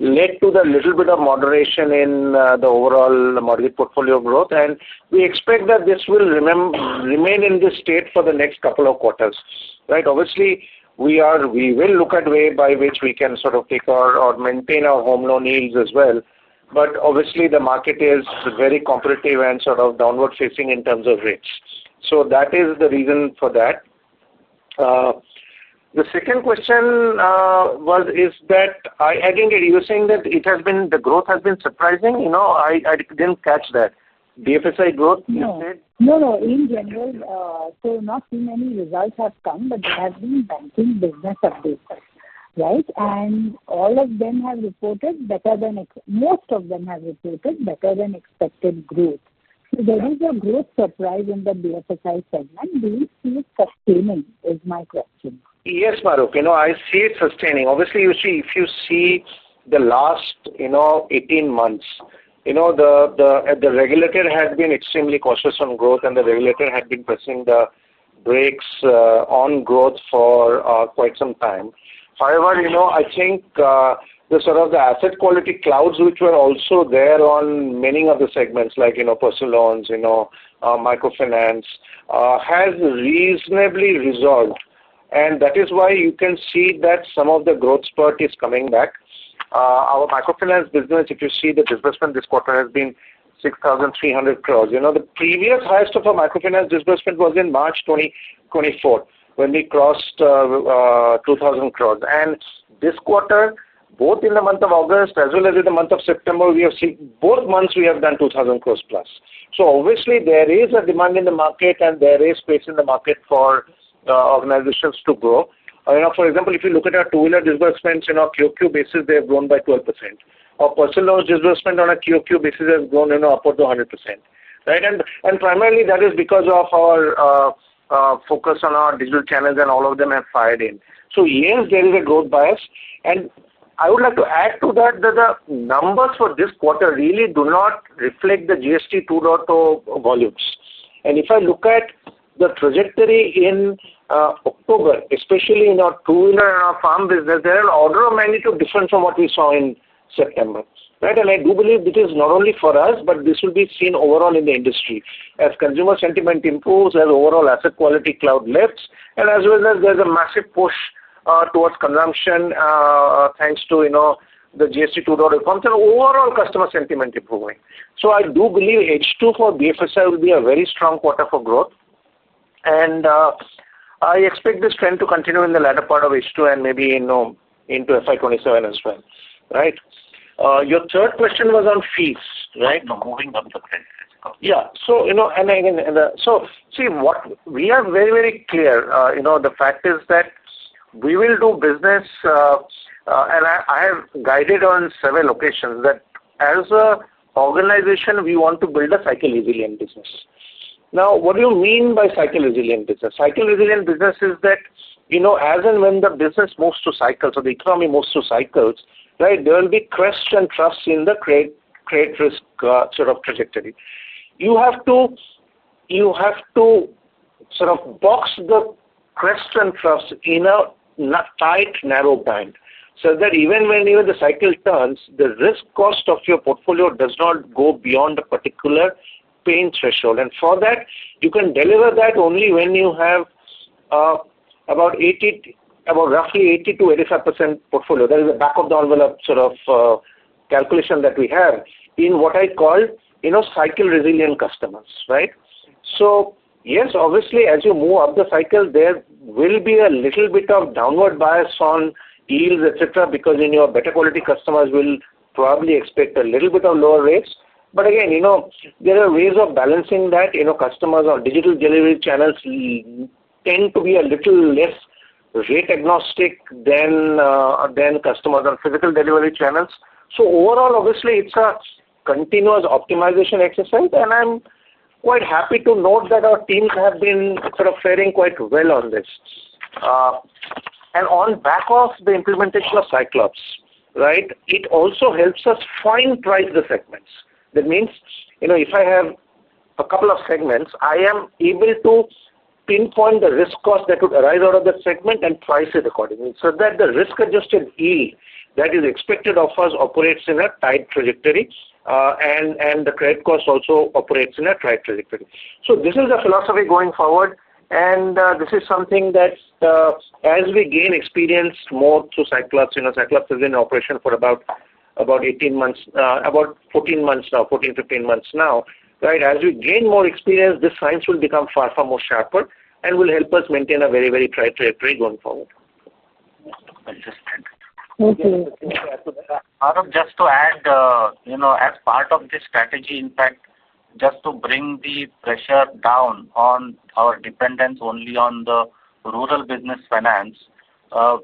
led to a little bit of moderation in the overall mortgage portfolio growth. And we expect that this will remain in this state for the next couple of quarters. Right? Obviously, we will look at a way by which we can sort of take our or maintain our home loan yields as well. But obviously, the market is very competitive and sort of downward-facing in terms of rates. So, that is the reason for that. The second question was this: I didn't get you saying that the growth has been surprising. I didn't catch that. BFSI growth, you said?
No, no. In general, so not too many results have come, but there have been banking business updates. Right? And all of them have reported better than expected growth. So, there is a growth surprise in the BFSI segment. Do you see it sustaining? Is my question.
Yes, Mahrukh. I see it sustaining. Obviously, you see if you see the last 18 months, the regulator has been extremely cautious on growth, and the regulator had been pressing the brakes on growth for quite some time. However, I think the sort of asset quality clouds, which were also there on many of the segments like personal loans, microfinance, have reasonably resolved. And that is why you can see that some of the growth spurt is coming back. Our microfinance business, if you see the disbursement this quarter, has been 6,300 crores. The previous highest of our microfinance disbursement was in March 2024 when we crossed 2,000 crores. And this quarter, both in the month of August as well as in the month of September, both months we have done 2,000+ crores. So, obviously, there is a demand in the market, and there is space in the market for organizations to grow. For example, if you look at our two-wheeler disbursements, on a QOQ basis, they have grown by 12%. Our personal loans disbursement on a QOQ basis has grown upwards of 100%. Right? And primarily, that is because of our focus on our digital channels, and all of them have fired in. So, yes, there is a growth bias. I would like to add to that that the numbers for this quarter really do not reflect the GST 2.0 volumes. And if I look at the trajectory in October, especially in our two-wheeler and our farm business, there are an order of magnitude different from what we saw in September. Right? And I do believe this is not only for us, but this will be seen overall in the industry as consumer sentiment improves, as overall asset quality cloud lifts, and as well as there's a massive push towards consumption thanks to the GST 2.0 reforms and overall customer sentiment improving. So, I do believe H2 for BFSI will be a very strong quarter for growth. And I expect this trend to continue in the latter part of H2 and maybe into FY 2027 as well. Right? Your third question was on fees. Right?
Moving up the price risk.
Yeah. So, and again, so see, we are very, very clear. The fact is that we will do business, and I have guided on several occasions that as an organization, we want to build a cycle-resilient business. Now, what do you mean by cycle-resilient business? Cycle-resilient business is that as and when the business moves to cycles or the economy moves to cycles, right, there will be crests and troughs in the credit risk sort of trajectory. You have to sort of box the crests and troughs in a tight, narrow band so that even when the cycle turns, the risk cost of your portfolio does not go beyond a particular pain threshold. And for that, you can deliver that only when you have about roughly 80%-85% portfolio. That is the back-of-the-envelope sort of calculation that we have in what I call cycle-resilient customers. Right? Yes, obviously, as you move up the cycle, there will be a little bit of downward bias on yields, etc., because better-quality customers will probably expect a little bit of lower rates. But again, there are ways of balancing that. Customers on digital delivery channels tend to be a little less rate-agnostic than customers on physical delivery channels. Overall, obviously, it's a continuous optimization exercise, and I'm quite happy to note that our teams have been sort of faring quite well on this. On the back of the implementation of Cyclops, right, it also helps us fine-tune the segments. That means if I have a couple of segments, I am able to pinpoint the risk cost that would arise out of that segment and price it accordingly so that the risk-adjusted yield that is expected of us operates in a tight trajectory, and the credit cost also operates in a tight trajectory. So, this is the philosophy going forward, and this is something that as we gain experience more through Cyclops. Cyclops has been in operation for about 14 months now, 14, 15 months now. Right? As we gain more experience, this science will become far, far more sharper and will help us maintain a very, very tight trajectory going forward. Thank you.
Thank you.
Mahrukh, just to add, as part of this strategy, in fact, just to bring the pressure down on our dependence only on the rural business finance,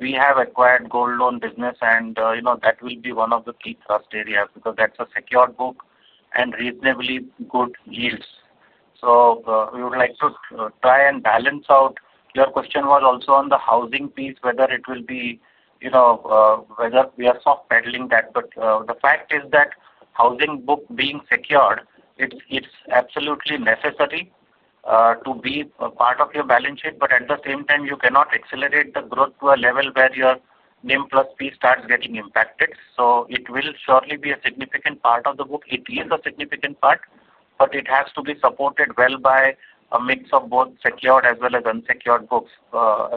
we have acquired gold loan business, and that will be one of the key trust areas because that's a secure book and reasonably good yields. So, we would like to try and balance out. Your question was also on the housing piece, whether it will be whether we are soft-pedaling that. But the fact is that housing book being secured, it's absolutely necessary to be a part of your balance sheet, but at the same time, you cannot accelerate the growth to a level where your NIM plus fee starts getting impacted. So, it will surely be a significant part of the book. It is a significant part, but it has to be supported well by a mix of both secured as well as unsecured books,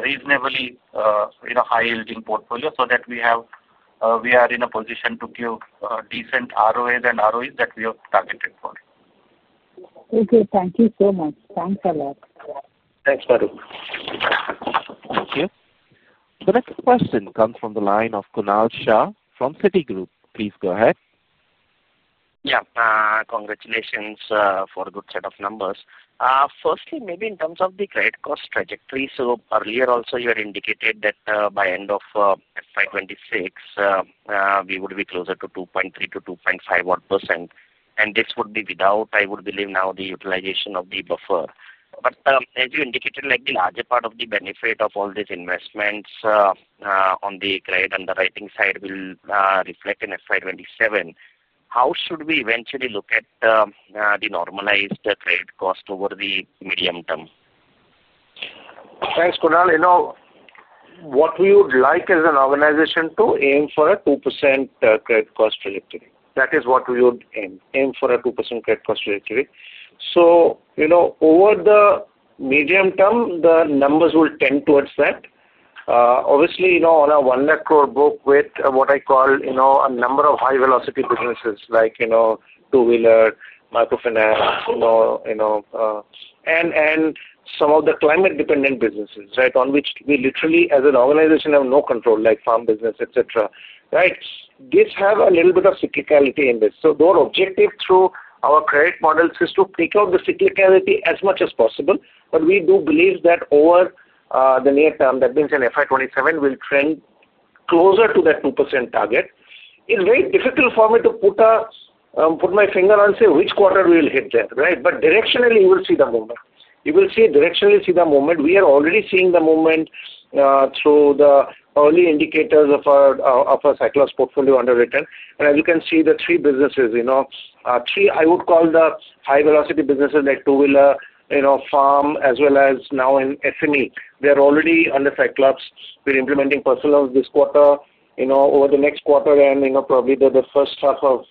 reasonably high-yielding portfolio so that we are in a position to give decent ROAs and ROEs that we have targeted for.
Okay. Thank you so much. Thanks a lot.
Thanks, Mahrukh. Thank you.
The next question comes from the line of Kunal Shah from Citigroup. Please go ahead.
Yeah. Congratulations for a good set of numbers. Firstly, maybe in terms of the credit cost trajectory, so earlier also you had indicated that by end of FY 2026, we would be closer to 2.3%-2.51%, and this would be without, I would believe, now the utilization of the buffer. But as you indicated, the larger part of the benefit of all these investments on the credit and the writing side will reflect in FY 2027. How should we eventually look at the normalized credit cost over the medium term?
Thanks, Kunal. What we would like as an organization to aim for a 2% credit cost trajectory. That is what we would aim for, a 2% credit cost trajectory. So, over the medium term, the numbers will tend towards that. Obviously, on a one-off blips with what I call a number of high-velocity businesses like two-wheeler, microfinance, and some of the climate-dependent businesses, right, on which we literally, as an organization, have no control, like farm business, etc. Right? These have a little bit of cyclicality in this. So, our objective through our credit models is to pick out the cyclicality as much as possible. But we do believe that over the near term, that means in FY 2027, we'll trend closer to that 2% target. It's very difficult for me to put my finger on and say which quarter we will hit there. Right? But directionally, you will see the movement. You will see directionally the movement. We are already seeing the movement through the early indicators of our Cyclops portfolio underwritten. And as you can see, the three businesses I would call the high-velocity businesses, like two-wheeler, farm, as well as now in SME, they are already under Cyclops. We're implementing personal loans this quarter, over the next quarter, and probably the first half of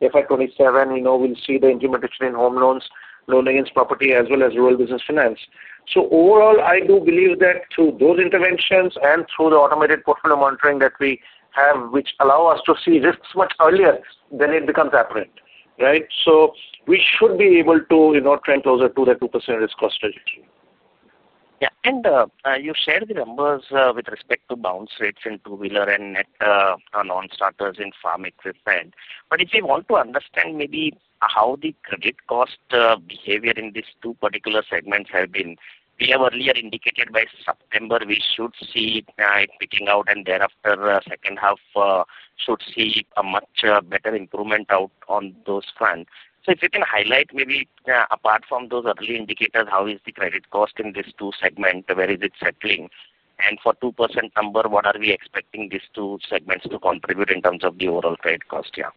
FY 2027, we'll see the implementation in home loans, loan against property, as well as rural business finance. So, overall, I do believe that through those interventions and through the automated portfolio monitoring that we have, which allow us to see risks much earlier than it becomes apparent. Right? So, we should be able to trend closer to that 2% risk cost trajectory.
Yeah. And you shared the numbers with respect to bounce rates in two-wheeler and net non-starters in farm equipment. But if you want to understand maybe how the credit cost behavior in these two particular segments has been, we have earlier indicated by September, we should see it picking out, and thereafter, second half should see a much better improvement out on those fronts. So, if you can highlight maybe apart from those early indicators, how is the credit cost in these two segments? Where is it settling? And for 2% number, what are we expecting these two segments to contribute in terms of the overall credit cost? Yeah.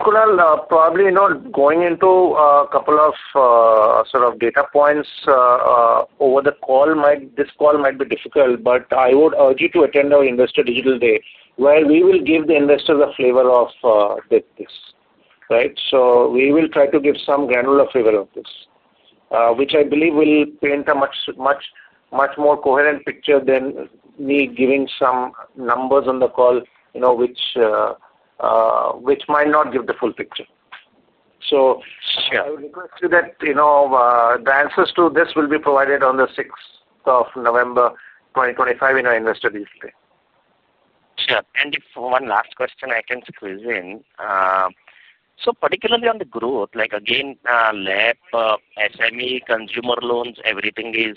Kunal, probably going into a couple of sort of data points over the call, this call might be difficult, but I would urge you to attend our Investor Digital Day, where we will give the investors a flavor of this. Right? So, we will try to give some granular flavor of this, which I believe will paint a much more coherent picture than me giving some numbers on the call, which might not give the full picture. So, I would request you that the answers to this will be provided on the 6th of November 2025 in our Investor Digital Day.
Sure. And if one last question I can squeeze in. So, particularly on the growth, like again, LEP, SME, consumer loans, everything is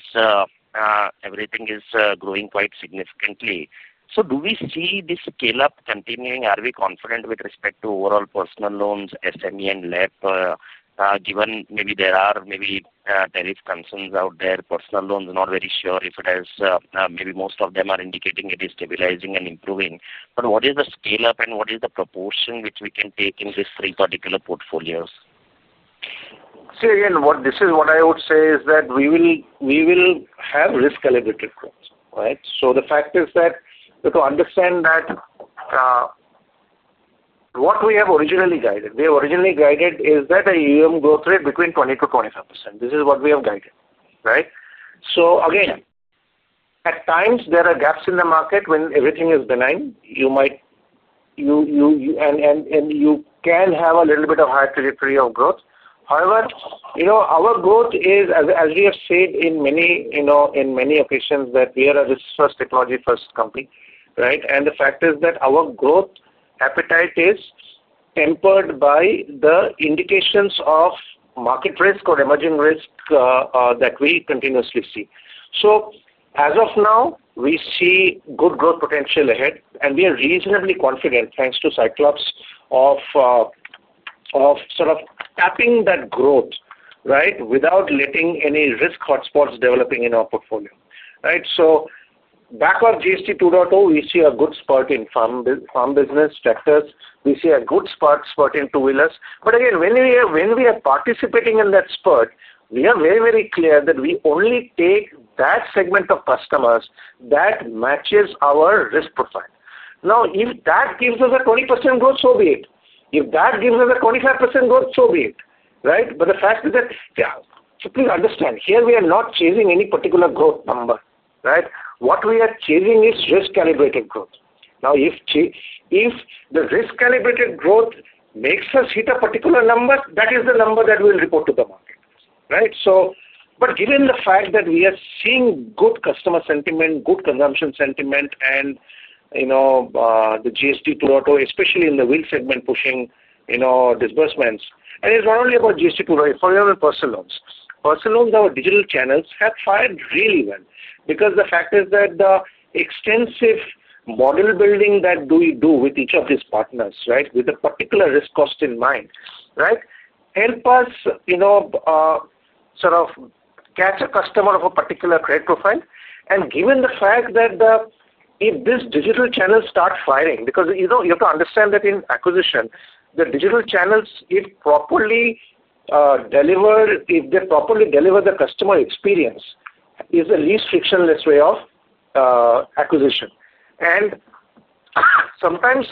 growing quite significantly. So, do we see this scale-up continuing? Are we confident with respect to overall personal loans, SME, and LEP, given maybe there are maybe tariff concerns out there, personal loans, not very sure if it has maybe most of them are indicating it is stabilizing and improving? But what is the scale-up, and what is the proportion which we can take in these three particular portfolios?
See, again, this is what I would say is that we will have risk-calibrated growth. Right? So, the fact is that to understand that what we have originally guided, we have originally guided is that a growth rate between 20%-25%. This is what we have guided. Right? So, again, at times, there are gaps in the market when everything is benign, and you can have a little bit of high trajectory of growth. However, our growth is, as we have said in many occasions, that we are a risk-first, technology-first company. Right? And the fact is that our growth appetite is tempered by the indications of market risk or emerging risk that we continuously see. So, as of now, we see good growth potential ahead, and we are reasonably confident, thanks to Cyclops, of sort of tapping that growth, right, without letting any risk hotspots developing in our portfolio. Right? So, back of GST 2.0, we see a good spurt in farm business sectors. We see a good spurt in two-wheelers. But again, when we are participating in that spurt, we are very, very clear that we only take that segment of customers that matches our risk profile. Now, if that gives us a 20% growth, so be it. If that gives us a 25% growth, so be it. Right? But the fact is that, yeah, so please understand, here we are not chasing any particular growth number. Right? What we are chasing is risk-calibrated growth. Now, if the risk-calibrated growth makes us hit a particular number, that is the number that we will report to the market. Right? So, but given the fact that we are seeing good customer sentiment, good consumption sentiment, and the GST 2.0, especially in the two-wheeler segment pushing disbursements, and it's not only about GST 2.0, for your own personal loans, personal loans are digital channels, have fired really well because the fact is that the extensive model building that we do with each of these partners, right, with a particular risk cost in mind, right, helps us sort of catch a customer of a particular credit profile. Given the fact that if these digital channels start firing, because you have to understand that in acquisition, the digital channels, if properly deliver, if they properly deliver the customer experience, is the least frictionless way of acquisition. And sometimes,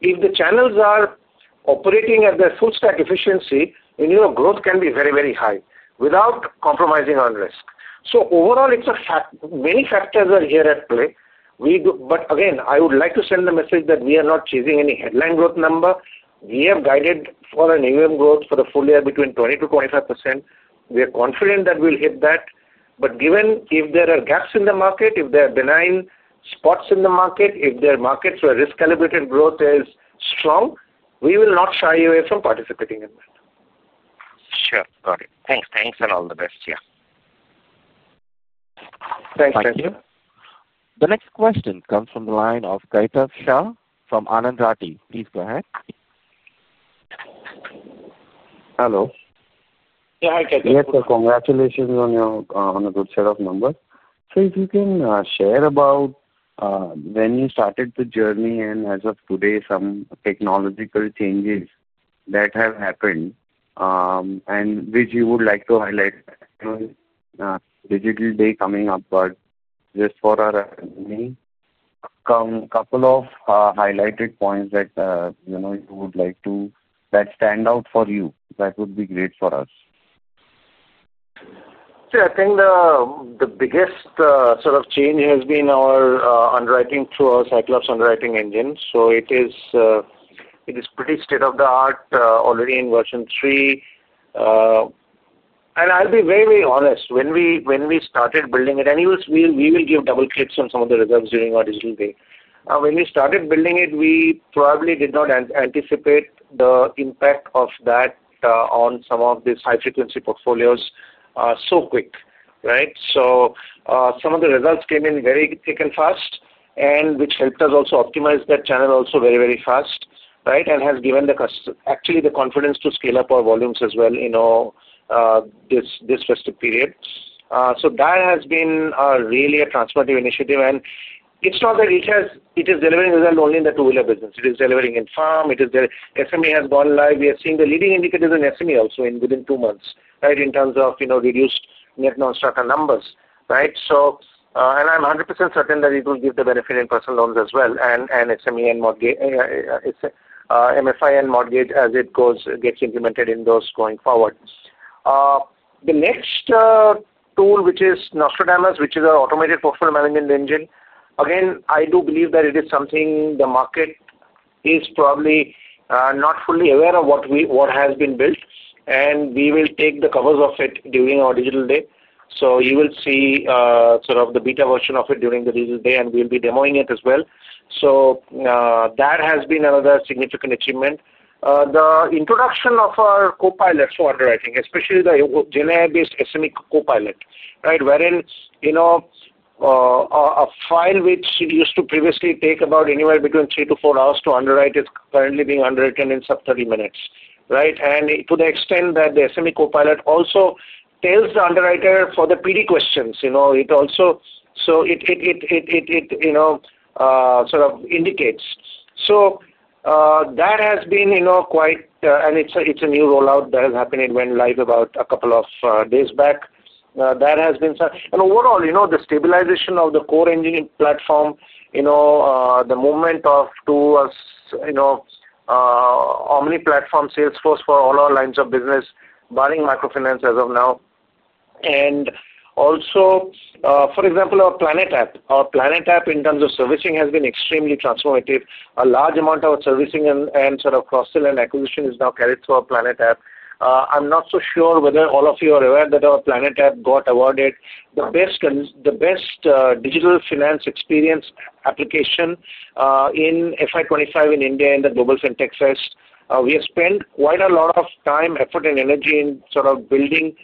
if the channels are operating at their full stack efficiency, then your growth can be very, very high without compromising on risk. So, overall, many factors are here at play. But again, I would like to send the message that we are not chasing any headline growth number. We have guided for an growth for the full year between 20%-25%. We are confident that we'll hit that. But given if there are gaps in the market, if there are benign spots in the market, if their markets where risk-calibrated growth is strong, we will not shy away from participating in that.
Sure. Got it. Thanks. Thanks and all the best. Yeah.
Thanks. Thank you.
Thank you.
The next question comes from the line of Kaitav Shah from Anand Rathi. Please go ahead.
Hello.
Yeah. Hi, Kaitav.
Yes. So, congratulations on a good set of numbers. So, if you can share about when you started the journey and as of today, some technological changes that have happened and which you would like to highlight. Digital Day coming up, but just for our meeting, a couple of highlighted points that you would like to that stand out for you, that would be great for us.
See, I think the biggest sort of change has been our underwriting through our Cyclops underwriting engine. So, it is pretty state-of-the-art already in version three. And I'll be very, very honest. When we started building it, and we will give double clicks on some of the results during our Digital Day. When we started building it, we probably did not anticipate the impact of that on some of these high-frequency portfolios so quick. Right? So, some of the results came in very quick and fast, which helped us also optimize that channel very, very fast. Right? and has given the customer, actually, the confidence to scale up our volumes as well this festive period. So, that has been really a transformative initiative. And it's not that it is delivering results only in the two-wheeler business. It is delivering in farm. SME has gone live. We are seeing the leading indicators in SME also within two months, right, in terms of reduced net non-starter numbers. Right? So, and I'm 100% certain that it will give the benefit in personal loans as well and SME and MFI and mortgage as it gets implemented in those going forward. The next tool, which is Nostradamus, which is our automated portfolio management engine, again, I do believe that it is something the market is probably not fully aware of what has been built, and we will take the covers off it during our Digital Day. So, you will see sort of the beta version of it during the Digital Day, and we'll be demoing it as well. So, that has been another significant achievement. The introduction of our copilots for underwriting, especially the GenAI-based SME copilot, right, wherein a file which used to previously take about anywhere between three to four hours to underwrite is currently being underwritten in sub-30 minutes. Right? And to the extent that the SME copilot also tells the underwriter for the PD questions, it also sort of indicates. It's a new rollout that has happened. It went live about a couple of days back. Overall, the stabilization of the core engine platform, the movement to our omni-platform Salesforce for all our lines of business, barring microfinance as of now. Also, for example, our Planet app. Our Planet app, in terms of servicing, has been extremely transformative. A large amount of our servicing and sort of cross-sell and acquisition is now carried through our Planet app. I'm not so sure whether all of you are aware that our Planet app got awarded the best digital finance experience application in FY 2025 in India in the Global FinTech Fest. We have spent quite a lot of time, effort, and energy in sort of building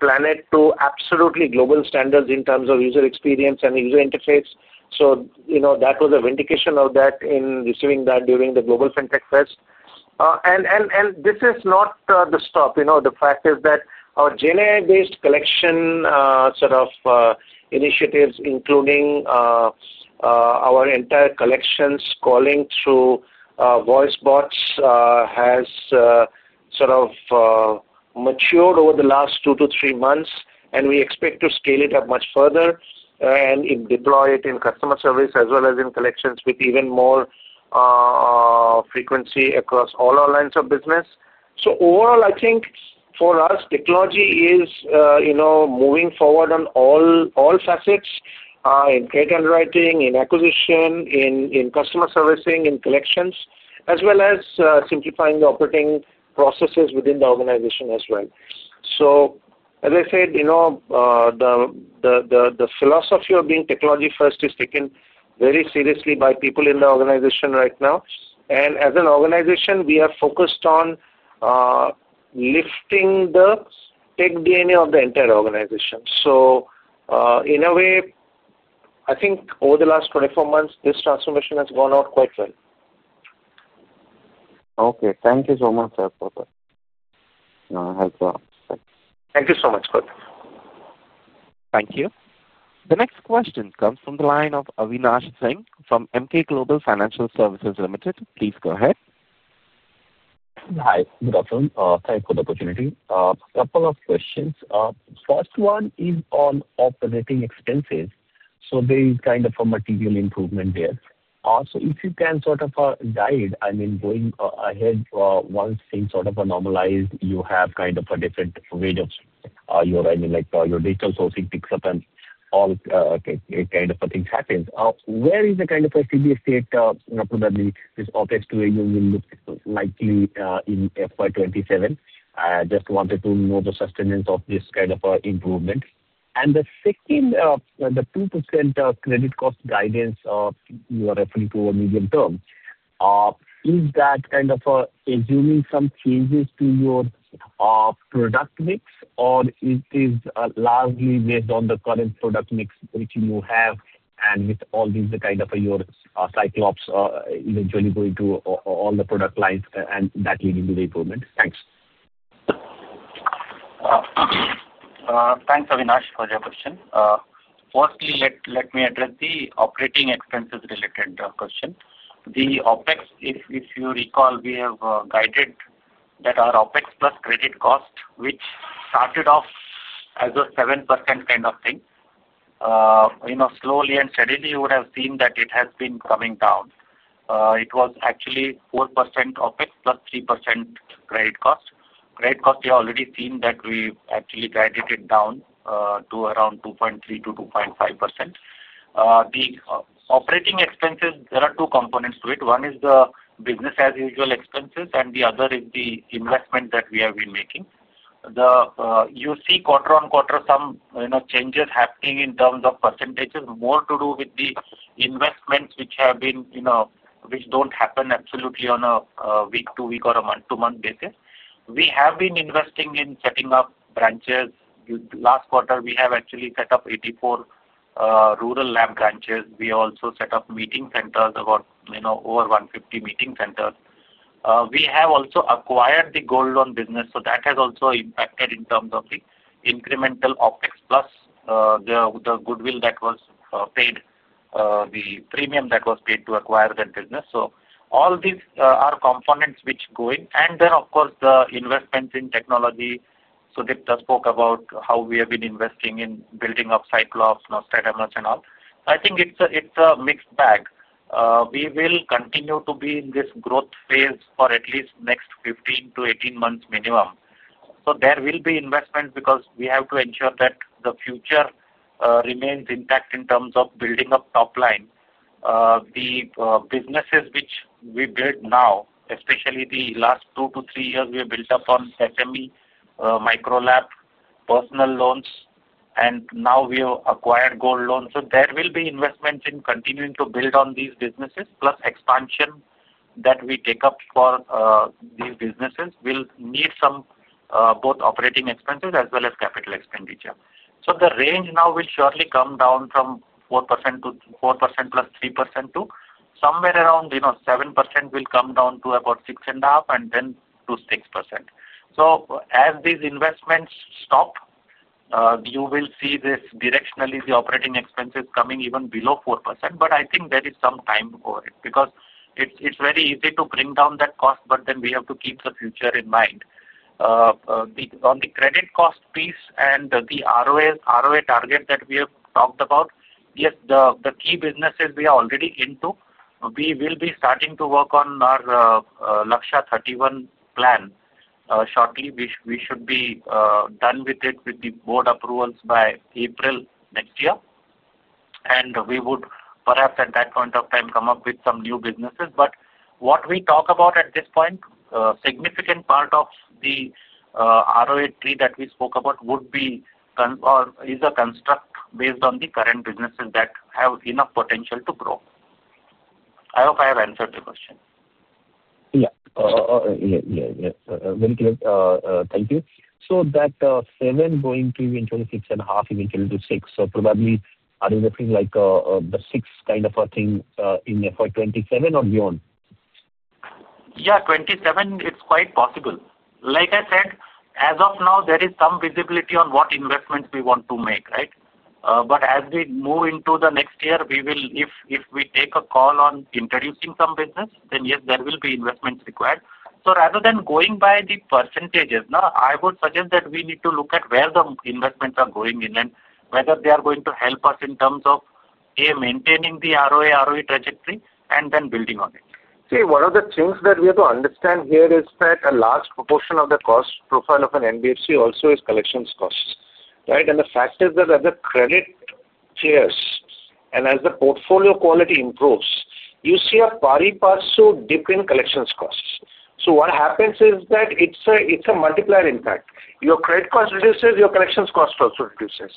Planet to absolutely global standards in terms of user experience and user interface. That was a vindication of that in receiving that during the Global FinTech Fest. This is not the stop. The fact is that our GenAI-based collection sort of initiatives, including our entire collections calling through voice bots, has sort of matured over the last two to three months, and we expect to scale it up much further and deploy it in customer service as well as in collections with even more frequency across all our lines of business. Overall, I think for us, technology is moving forward on all facets in credit underwriting, in acquisition, in customer servicing, in collections, as well as simplifying the operating processes within the organization as well. As I said, the philosophy of being technology-first is taken very seriously by people in the organization right now. And as an organization, we are focused on lifting the tech DNA of the entire organization. So, in a way, I think over the last 24 months, this transformation has gone out quite well.
Okay. Thank you so much, sir, for that. No, I have to.
Thank you so much, Kaitav.
Thank you. The next question comes from the line of Avinash Singh from Emkay Global Financial Services Ltd. Please go ahead.
Hi. Good afternoon. Thanks for the opportunity. A couple of questions. First one is on operating expenses. So, there is kind of a material improvement there. Also, if you can sort of guide, I mean, going ahead once things sort of normalize, you have kind of a different rate of your, I mean, like your digital sourcing picks up and all kind of things happen. Where is the kind of a steady state? Apparently, this OpEx [inaudible] will look likely in FY 2027. I just wanted to know the sustenance of this kind of improvement. And the second, the 2% credit cost guidance you are referring to over medium term, is that kind of assuming some changes to your product mix, or is it largely based on the current product mix which you have and with all these kind of your cyclops eventually going to all the product lines and that leading to the improvement? Thanks.
Thanks, Avinash, for your question. Firstly, let me address the operating expenses-related question. The OpEx, if you recall, we have guided that our OpEx plus credit cost, which started off as a 7% kind of thing. Slowly and steadily, you would have seen that it has been coming down. It was actually 4% OpEx plus 3% credit cost. Credit cost, you have already seen that we actually guided it down to around 2.3%-2.5%. The operating expenses, there are two components to it. One is the business-as-usual expenses, and the other is the investment that we have been making. You see quarter-on-quarter some changes happening in terms of percentages, more to do with the investments which have been, which don't happen absolutely on a week, two-week, or a month-to-month basis. We have been investing in setting up branches. Last quarter, we have actually set up 84 rural LAP branches. We also set up meeting centers about over 150 meeting centers. We have also acquired the gold loan business. So, that has also impacted in terms of the incremental OpEx plus the goodwill that was paid, the premium that was paid to acquire that business. So, all these are components which go in. Of course, the investments in technology. Sudipta spoke about how we have been investing in building up Cyclops, Nostradamus, and all. I think it's a mixed bag. We will continue to be in this growth phase for at least the next 15-18 months minimum. There will be investment because we have to ensure that the future remains intact in terms of building up top line. The businesses which we build now, especially the last two to three years, we have built up on SME, micro loan, personal loans, and now we have acquired gold loans. There will be investments in continuing to build on these businesses, plus expansion that we take up for these businesses will need some both operating expenses as well as capital expenditure. The range now will surely come down from 4% to 4% plus 3% to somewhere around 7% will come down to about 6.5% and then to 6%. As these investments stop, you will see this directionally, the operating expenses coming even below 4%. But I think there is some time for it because it's very easy to bring down that cost, but then we have to keep the future in mind. On the credit cost piece and the ROA target that we have talked about, yes, the key businesses we are already into. We will be starting to work on our Lakshya 31 plan shortly. We should be done with it with the board approvals by April next year. We would perhaps at that point of time come up with some new businesses. But what we talk about at this point, a significant part of the ROA tree that we spoke about would be or is a construct based on the current businesses that have enough potential to grow. I hope I have answered your question.
Yeah. Yeah. Yeah. Yeah. Very clear. Thank you. So, that 7 going to eventually 6.5, eventually to 6. So, probably, are you referring like the 6 kind of a thing in FY 2027 or beyond?
Yeah. 2027, it's quite possible. Like I said, as of now, there is some visibility on what investments we want to make, right? But as we move into the next year, if we take a call on introducing some business, then yes, there will be investments required. So, rather than going by the percentages, I would suggest that we need to look at where the investments are going in and whether they are going to help us in terms of, A, maintaining the ROA ROE trajectory and then building on it.
See, one of the things that we have to understand here is that a large proportion of the cost profile of an NBFC also is collections costs, right? And the fact is that as the credit tiers and as the portfolio quality improves, you see a pari passu dip in collections costs. So, what happens is that it's a multiplier impact. Your credit cost reduces, your collections cost also reduces.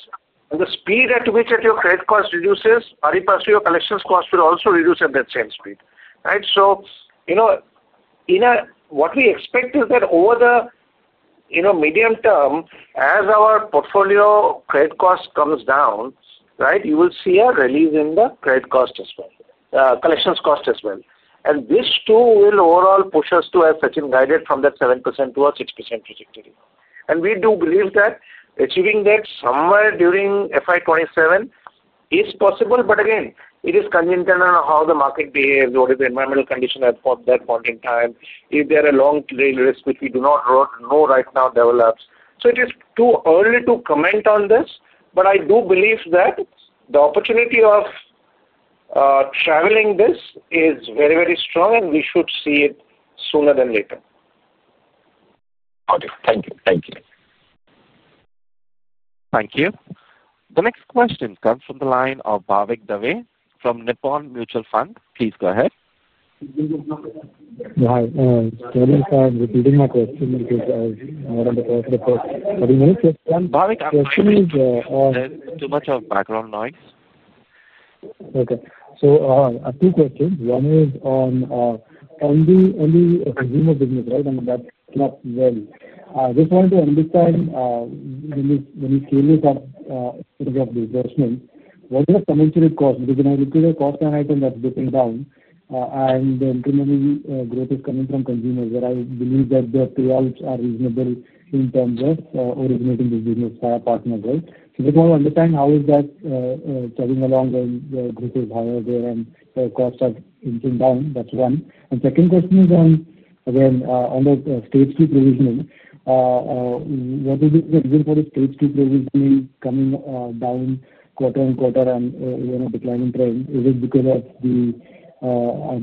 And the speed at which your credit cost reduces, pari passu your collections cost will also reduce at that same speed, right? So, what we expect is that over the medium term, as our portfolio credit cost comes down, right, you will see a release in the credit cost as well, collections cost as well. And this too will overall push us to, as Sachinn guided, from that 7% to a 6% trajectory. And we do believe that achieving that somewhere during FY 2027 is possible. But again, it is contingent on how the market behaves, what is the environmental condition at that point in time, if there are long-term risks which we do not know right now develops. So, it is too early to comment on this, but I do believe that the opportunity of traveling this is very, very strong, and we should see it sooner than later.
Got it. Thank you. Thank you.
Thank you. The next question comes from the line of Bhavik Dave from Nippon India Mutual Fund. Please go ahead.
Hi. Sorry for repeating my question because I'm more on the call for the first 30 minutes.
Bhavik, I'm sorry. There's too much background noise.
Okay. Two questions. One is on consumer business, right? I mean, that's not well. I just wanted to understand when you came up with the investment, what is the commensurate cost? Because when I looked at the cost per item that's dipping down and the incremental growth is coming from consumers, I believe that the payouts are reasonable in terms of originating the business via partners, right? So, I just want to understand how is that chugging along when the growth is higher there and the costs are inching down? That's one. And second question is on, again, on the Stage 2 provisioning, what is the reason for the Stage 2 provisioning coming down quarter-on-quarter and declining trend? Is it because of the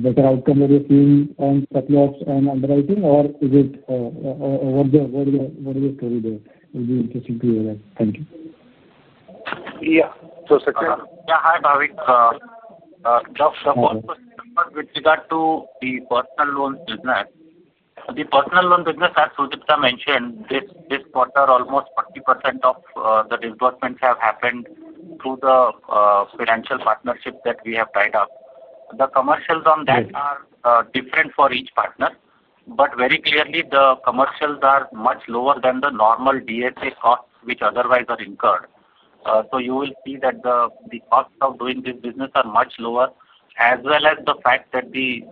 better outcome that you're seeing on Cyclops and underwriting, or is it what is the story there? It would be interesting to hear that. Thank you.
Yeah. So, Sachinn.
Yeah. Hi, Bhavik. The first question with regard to the personal loan business, the personal loan business, as Sudipta mentioned, this quarter, almost 40% of the disbursements have happened through the financial partnership that we have tied up. The commercials on that are different for each partner, but very clearly, the commercials are much lower than the normal DSA costs which otherwise are incurred. So, you will see that the costs of doing this business are much lower, as well as the fact that the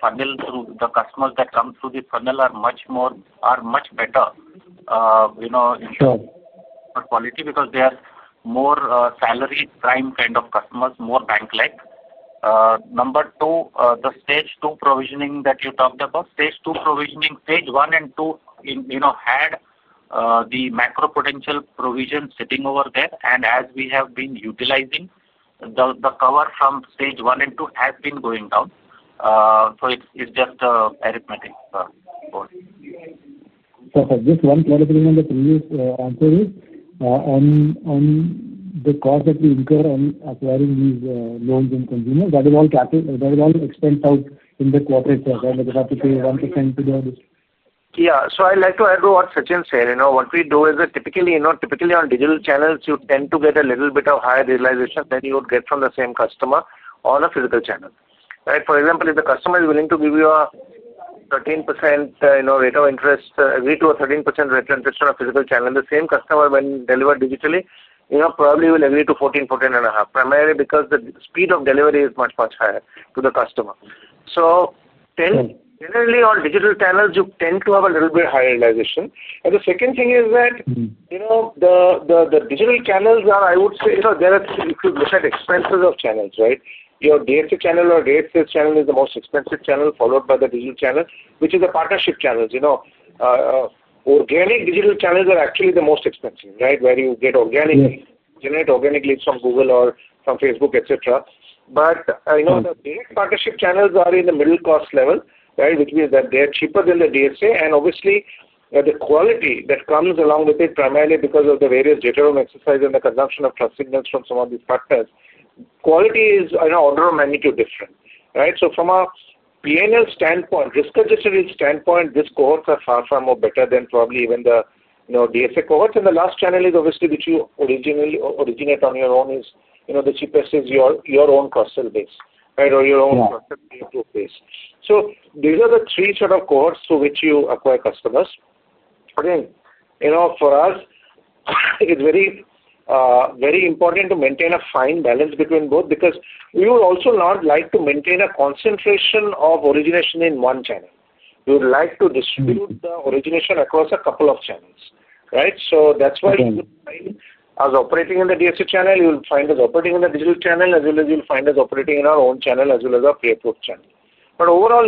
funnel through the customers that come through the funnel are much better in terms of quality because they are more salary prime kind of customers, more bank-like. Number two, the stage two provisioning that you talked about, stage two provisioning, stage one and two had the macro-prudential provision sitting over there, and as we have been utilizing, the cover from stage one and two has been going down. So, it's just arithmetic.
So, for this one, clarifying on the previous answer is on the cost that we incur on acquiring these loans and consumers, that is all expensed out in the quarter itself, right? Like you have to pay 1% to the.
Yeah. So, I'd like to add to what Sachinn said. What we do is that typically on digital channels, you tend to get a little bit of higher realization than you would get from the same customer on a physical channel, right? For example, if the customer is willing to give you a 13% rate of interest, agree to a 13% rate of interest on a physical channel, the same customer, when delivered digitally, probably will agree to 14%, 14.5%, primarily because the speed of delivery is much, much higher to the customer. So, generally, on digital channels, you tend to have a little bit higher realization. And the second thing is that the digital channels are, I would say, if you look at expenses of channels, right? Your DSA channel or DSA channel is the most expensive channel followed by the digital channel, which is the partnership channels. Organic digital channels are actually the most expensive, right, where you get organic leads, generate organic leads from Google or from Facebook, etc. But the direct partnership channels are in the middle cost level, right, which means that they are cheaper than the DSA. And obviously, the quality that comes along with it, primarily because of the various data room exercise and the consumption of trust signals from some of these partners, quality is on an order of magnitude different, right? So, from a P&L standpoint, risk-adjusted standpoint, these cohorts are far, far more better than probably even the DSA cohorts. And the last channel is obviously which you originate on your own is the cheapest is your own customer base, right, or your own cost customer base. So, these are the three sort of cohorts through which you acquire customers. Again, for us, it is very important to maintain a fine balance between both because we would also not like to maintain a concentration of origination in one channel. We would like to distribute the origination across a couple of channels, right? So, that's why you will find us operating in the DSA channel. You will find us operating in the digital channel as well as you'll find us operating in our own channel as well as our pre-approved channel. But overall,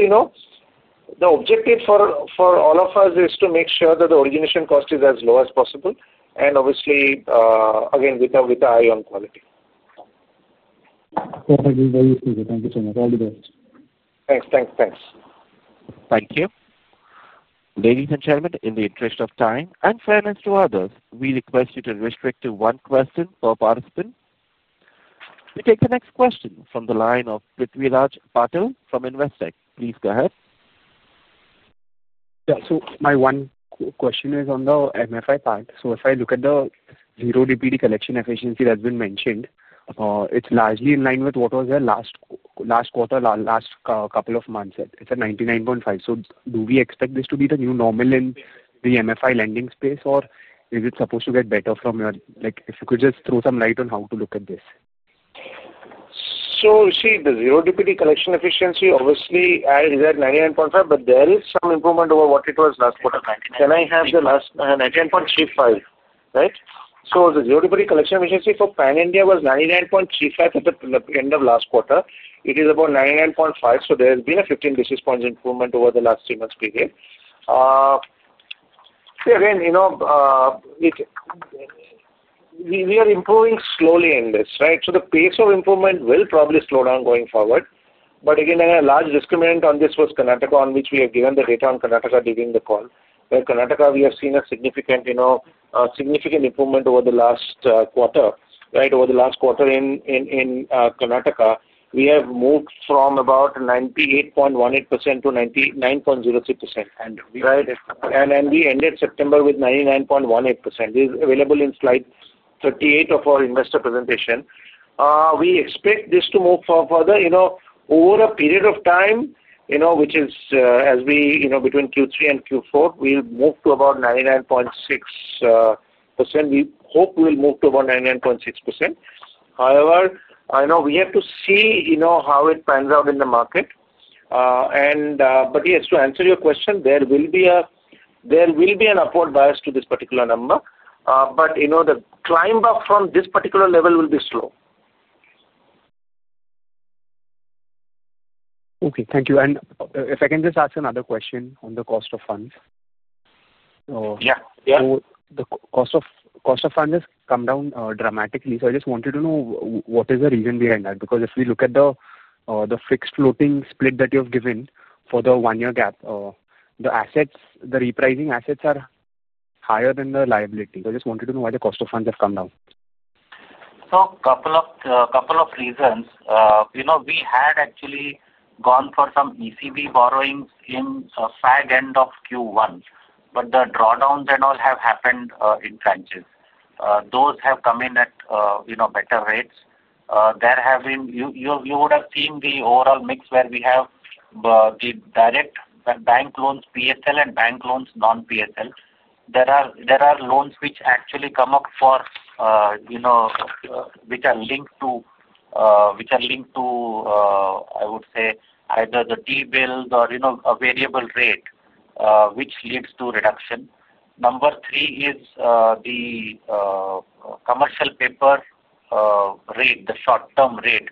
the objective for all of us is to make sure that the origination cost is as low as possible and obviously, again, with an eye on quality.
Perfect. Thank you. Thank you so much. All the best.
Thanks. Thanks. Thanks.
Thank you. Ladies and gentlemen, in the interest of time and fairness to others, we request you to restrict to one question per participant. We take the next question from the line of Prithviraj Patil from Investec. Please go ahead.
Yeah. So, my one question is on the MFI part. If I look at the zero DPD collection efficiency that's been mentioned, it's largely in line with what was the last quarter, last couple of months. It's 99.5%. Do we expect this to be the new normal in the MFI lending space, or is it supposed to get better from your—if you could just throw some light on how to look at this?
See, the zero DPD collection efficiency, obviously, is at 99.5%, but there is some improvement over what it was last quarter. Can I have the last 99.35, right? The zero DPD collection efficiency for Pan India was 99.35% at the end of last quarter. It is about 99.5%. There has been a 15 basis points improvement over the last three months' period. See, again, we are improving slowly in this, right? The pace of improvement will probably slow down going forward. But again, a large discriminant on this was Karnataka, on which we have given the data on Karnataka during the call. Karnataka, we have seen a significant improvement over the last quarter, right? Over the last quarter in Karnataka, we have moved from about 98.18% to 99.03%, right? And we ended September with 99.18%. This is available in slide 38 of our investor presentation. We expect this to move further. Over a period of time, which is as we between Q3 and Q4, we'll move to about 99.6%. We hope we'll move to about 99.6%. However, we have to see how it pans out in the market. But yes, to answer your question, there will be an upward bias to this particular number. But the climb up from this particular level will be slow.
Okay. Thank you. And if I can just ask another question on the cost of funds?
Yeah. Yeah.
So, the cost of funds has come down dramatically. So, I just wanted to know what is the reason behind that? Because if we look at the fixed floating split that you have given for the one-year gap, the repricing assets are higher than the liability. So, I just wanted to know why the cost of funds have come down.
So, a couple of reasons. We had actually gone for some ECB borrowings in the fag end of Q1, but the drawdowns and all have happened in tranches. Those have come in at better rates. There have been. You would have seen the overall mix where we have the direct bank loans PSL and bank loans non-PSL. There are loans which actually come up which are linked to, I would say, either the T-bills or a variable rate, which leads to reduction. Number three is the commercial paper rate, the short-term rate.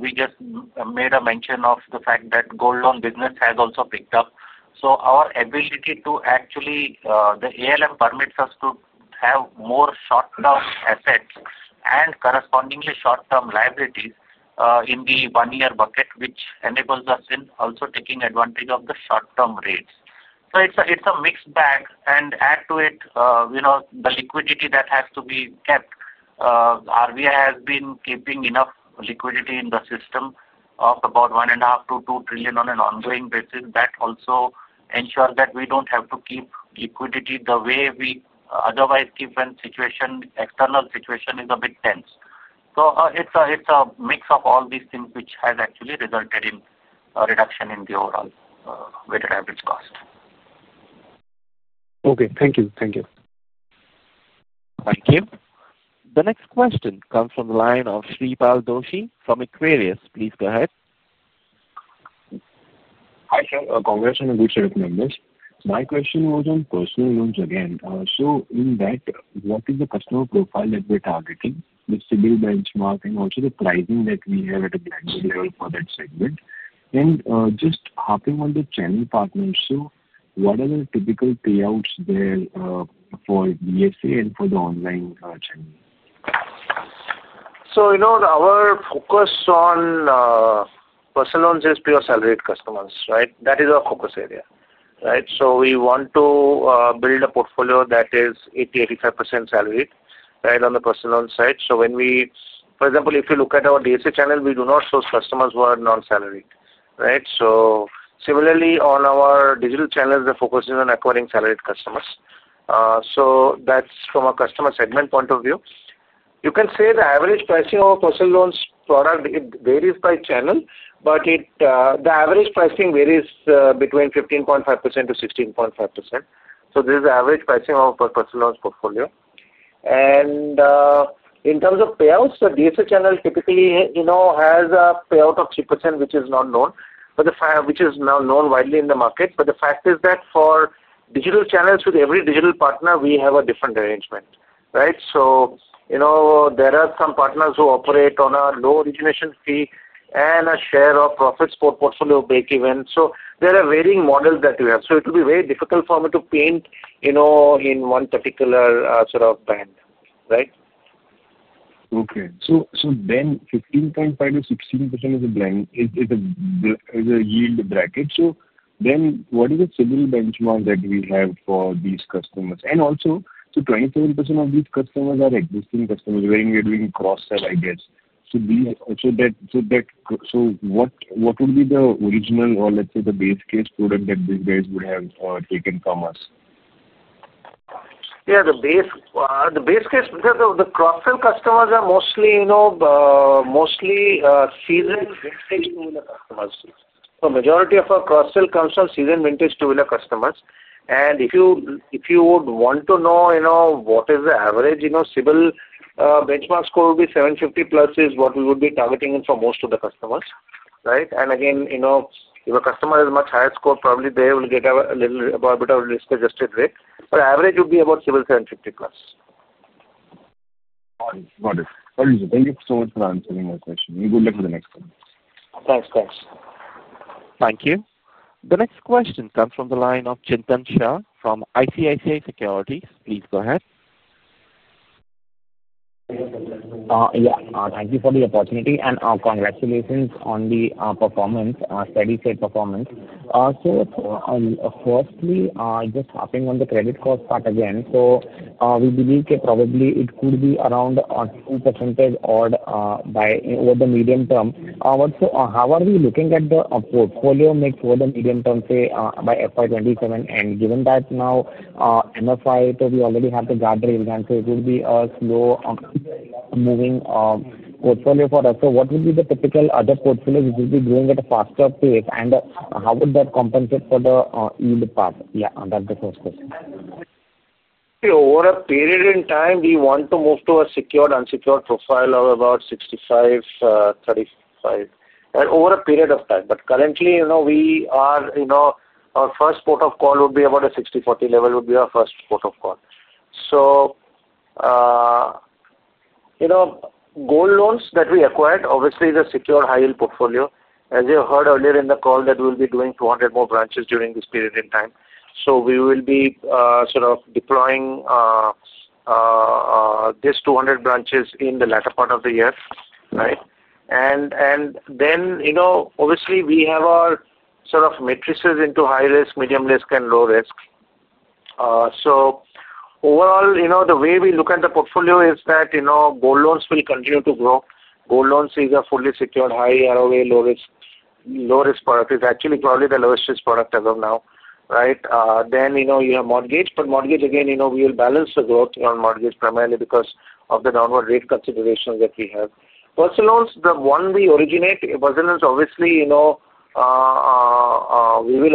We just made a mention of the fact that gold loan business has also picked up. So, our ability to actually, the ALM permits us to have more short-term assets and correspondingly short-term liabilities in the one-year bucket, which enables us in also taking advantage of the short-term rates. So, it's a mixed bag, and add to it the liquidity that has to be kept. RBI has been keeping enough liquidity in the system of about 1.5 trillion-2 trillion on an ongoing basis, that also ensures that we don't have to keep liquidity the way we otherwise keep when external situation is a bit tense. It's a mix of all these things which has actually resulted in a reduction in the overall weighted average cost.
Okay. Thank you. Thank you.
Thank you. The next question comes from the line of Shreepal Doshi from Equirus Securities. Please go ahead.
Hi, sir. Congrats on a good set of numbers. My question was on personal loans again. So, in that, what is the customer profile that we're targeting, the CIBIL benchmark, and also the pricing that we have at a blanket level for that segment? And just hopping on the channel partners, so what are the typical payouts there for DSA and for the online channel?
So, our focus on personal loans is pure salaried customers, right? That is our focus area, right? So, we want to build a portfolio that is 80%-85% salaried, right, on the personal loan side. For example, if you look at our DSA channel, we do not show customers who are non-salaried, right? Similarly, on our digital channels, the focus is on acquiring salaried customers. That's from a customer segment point of view. You can say the average pricing of a personal loans product, it varies by channel, but the average pricing varies between 15.5%-16.5%. This is the average pricing of a personal loans portfolio. And in terms of payouts, the DSA channel typically has a payout of 3%, which is not known, which is now known widely in the market. But the fact is that for digital channels, with every digital partner, we have a different arrangement, right? There are some partners who operate on a low origination fee and a share of profits for portfolio break-even. There are varying models that we have. It will be very difficult for me to paint in one particular sort of band, right?
Okay. So, then 15.5%-16% is a yield bracket. So, then what is the CIBIL benchmark that we have for these customers? And also, so, 27% of these customers are existing customers when we are doing cross-sell, I guess. So, that—so what would be the original or, let's say, the base case product that these guys would have taken from us?
Yeah. The base case because the cross-sell customers are mostly seasonal vintage two-wheeler customers. So, the majority of our cross-sell comes from seasonal vintage two-wheeler customers. And if you would want to know what is the average CIBIL benchmark score, it would be 750+ is what we would be targeting for most of the customers, right? Again, if a customer has a much higher score, probably they will get a little bit of risk-adjusted rate. But the average would be about CIBIL 750+.
Got it. Got it. Thank you so much for answering my question. Good luck with the next one.
Thanks. Thanks.
Thank you. The next question comes from the line of Chintan Shah from ICICI Securities. Please go ahead.
Yeah. Thank you for the opportunity. Congratulations on the performance, steady state performance. Firstly, just hopping on the credit cost part again. We believe that probably it could be around 2% odd over the medium term. Also, how are we looking at the portfolio? For the medium term, say, by FY 2027. Given that now MFI, we already have the guardrail, right? It would be a slow-moving portfolio for us. So, what would be the typical other portfolios which would be growing at a faster pace? And how would that compensate for the yield part? Yeah. That's the first question.
See, over a period in time, we want to move to a secured, unsecured profile of about 65-35 over a period of time. But currently, we are our first port of call would be about a 60-40 level would be our first port of call. So, gold loans that we acquired, obviously, is a secured high-yield portfolio. As you heard earlier in the call, that we'll be doing 200 more branches during this period in time. So, we will be sort of deploying these 200 branches in the latter part of the year, right? And then, obviously, we have our sort of metrics into high risk, medium risk, and low risk. So, overall, the way we look at the portfolio is that gold loans will continue to grow. Gold loans is a fully secured, high ROA, low-risk product. It's actually probably the lowest-risk product as of now, right? Then you have mortgage. But mortgage, again, we will balance the growth on mortgage primarily because of the downward rate considerations that we have. Personal loans, the one we originate, personal is obviously we will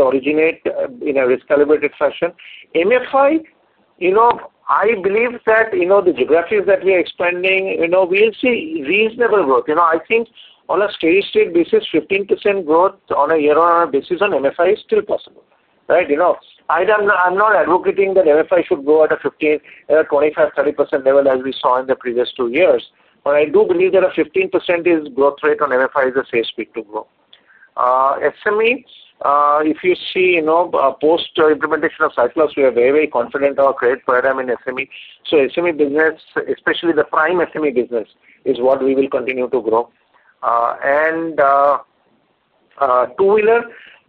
originate in a risk-calibrated fashion. MFI, I believe that the geographies that we are expanding, we'll see reasonable growth. I think on a steady-state basis, 15% growth on a year-on-year basis on MFI is still possible, right? I'm not advocating that MFI should grow at a 25%-30% level as we saw in the previous two years. But I do believe that a 15% growth rate on MFI is a safe speed to grow. SME, if you see post-implementation of Cyclops, we are very, very confident of our credit program in SME. So, SME business, especially the prime SME business, is what we will continue to grow. And 2-wheeler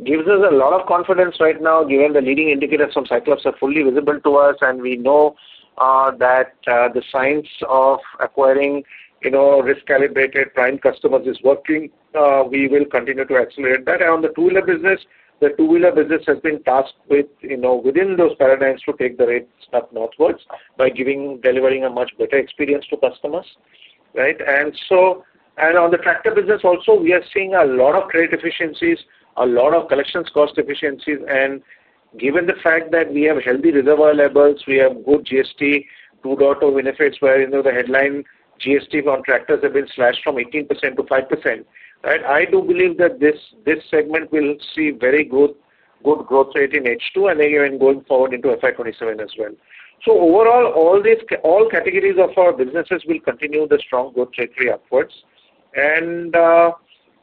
gives us a lot of confidence right now given the leading indicators from Cyclops are fully visible to us, and we know that the science of acquiring risk-calibrated prime customers is working. We will continue to accelerate that. And on the 2-wheeler business, the 2-wheeler business has been tasked with, within those paradigms, to take the rate step northwards by delivering a much better experience to customers, right? And on the tractor business also, we are seeing a lot of credit efficiencies, a lot of collections cost efficiencies. And given the fact that we have healthy reservoir levels, we have good GST 2.0 benefits where the headline GST on tractors have been slashed from 18% to 5%, right? I do believe that this segment will see very good growth rate in H2 and even going forward into FY 2027 as well. So, overall, all categories of our businesses will continue the strong growth trajectory upwards. And as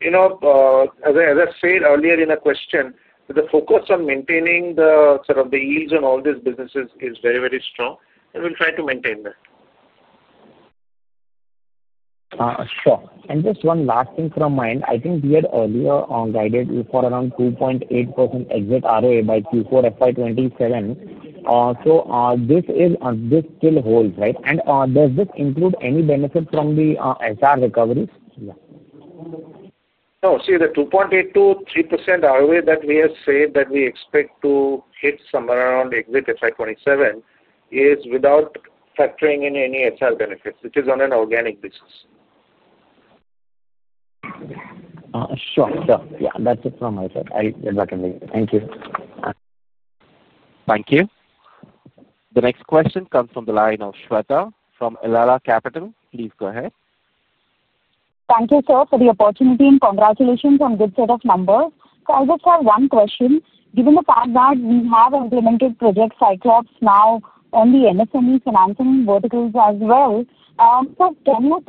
I said earlier in the question, the focus on maintaining the sort of the yields on all these businesses is very, very strong. And we'll try to maintain that.
Sure. And just one last thing from my end. I think we had earlier guided for around 2.8% exit ROA by Q4 FY 2027. So, this still holds, right? And does this include any benefit from the SR recovery? Yeah.
No. See, the 2.8%-3% ROA that we have said that we expect to hit somewhere around exit FY 2027 is without factoring in any SR benefits. It is on an organic basis.
Sure. Sure. Yeah. That's it from my side. I'll get back to you. Thank you.
Thank you. The next question comes from the line of Shweta from Elara Capital. Please go ahead.
Thank you, sir, for the opportunity. And congratulations on a good set of numbers. So, I just have one question. Given the fact that we have implemented Project Cyclops now on the MSME financing verticals as well, sir, can you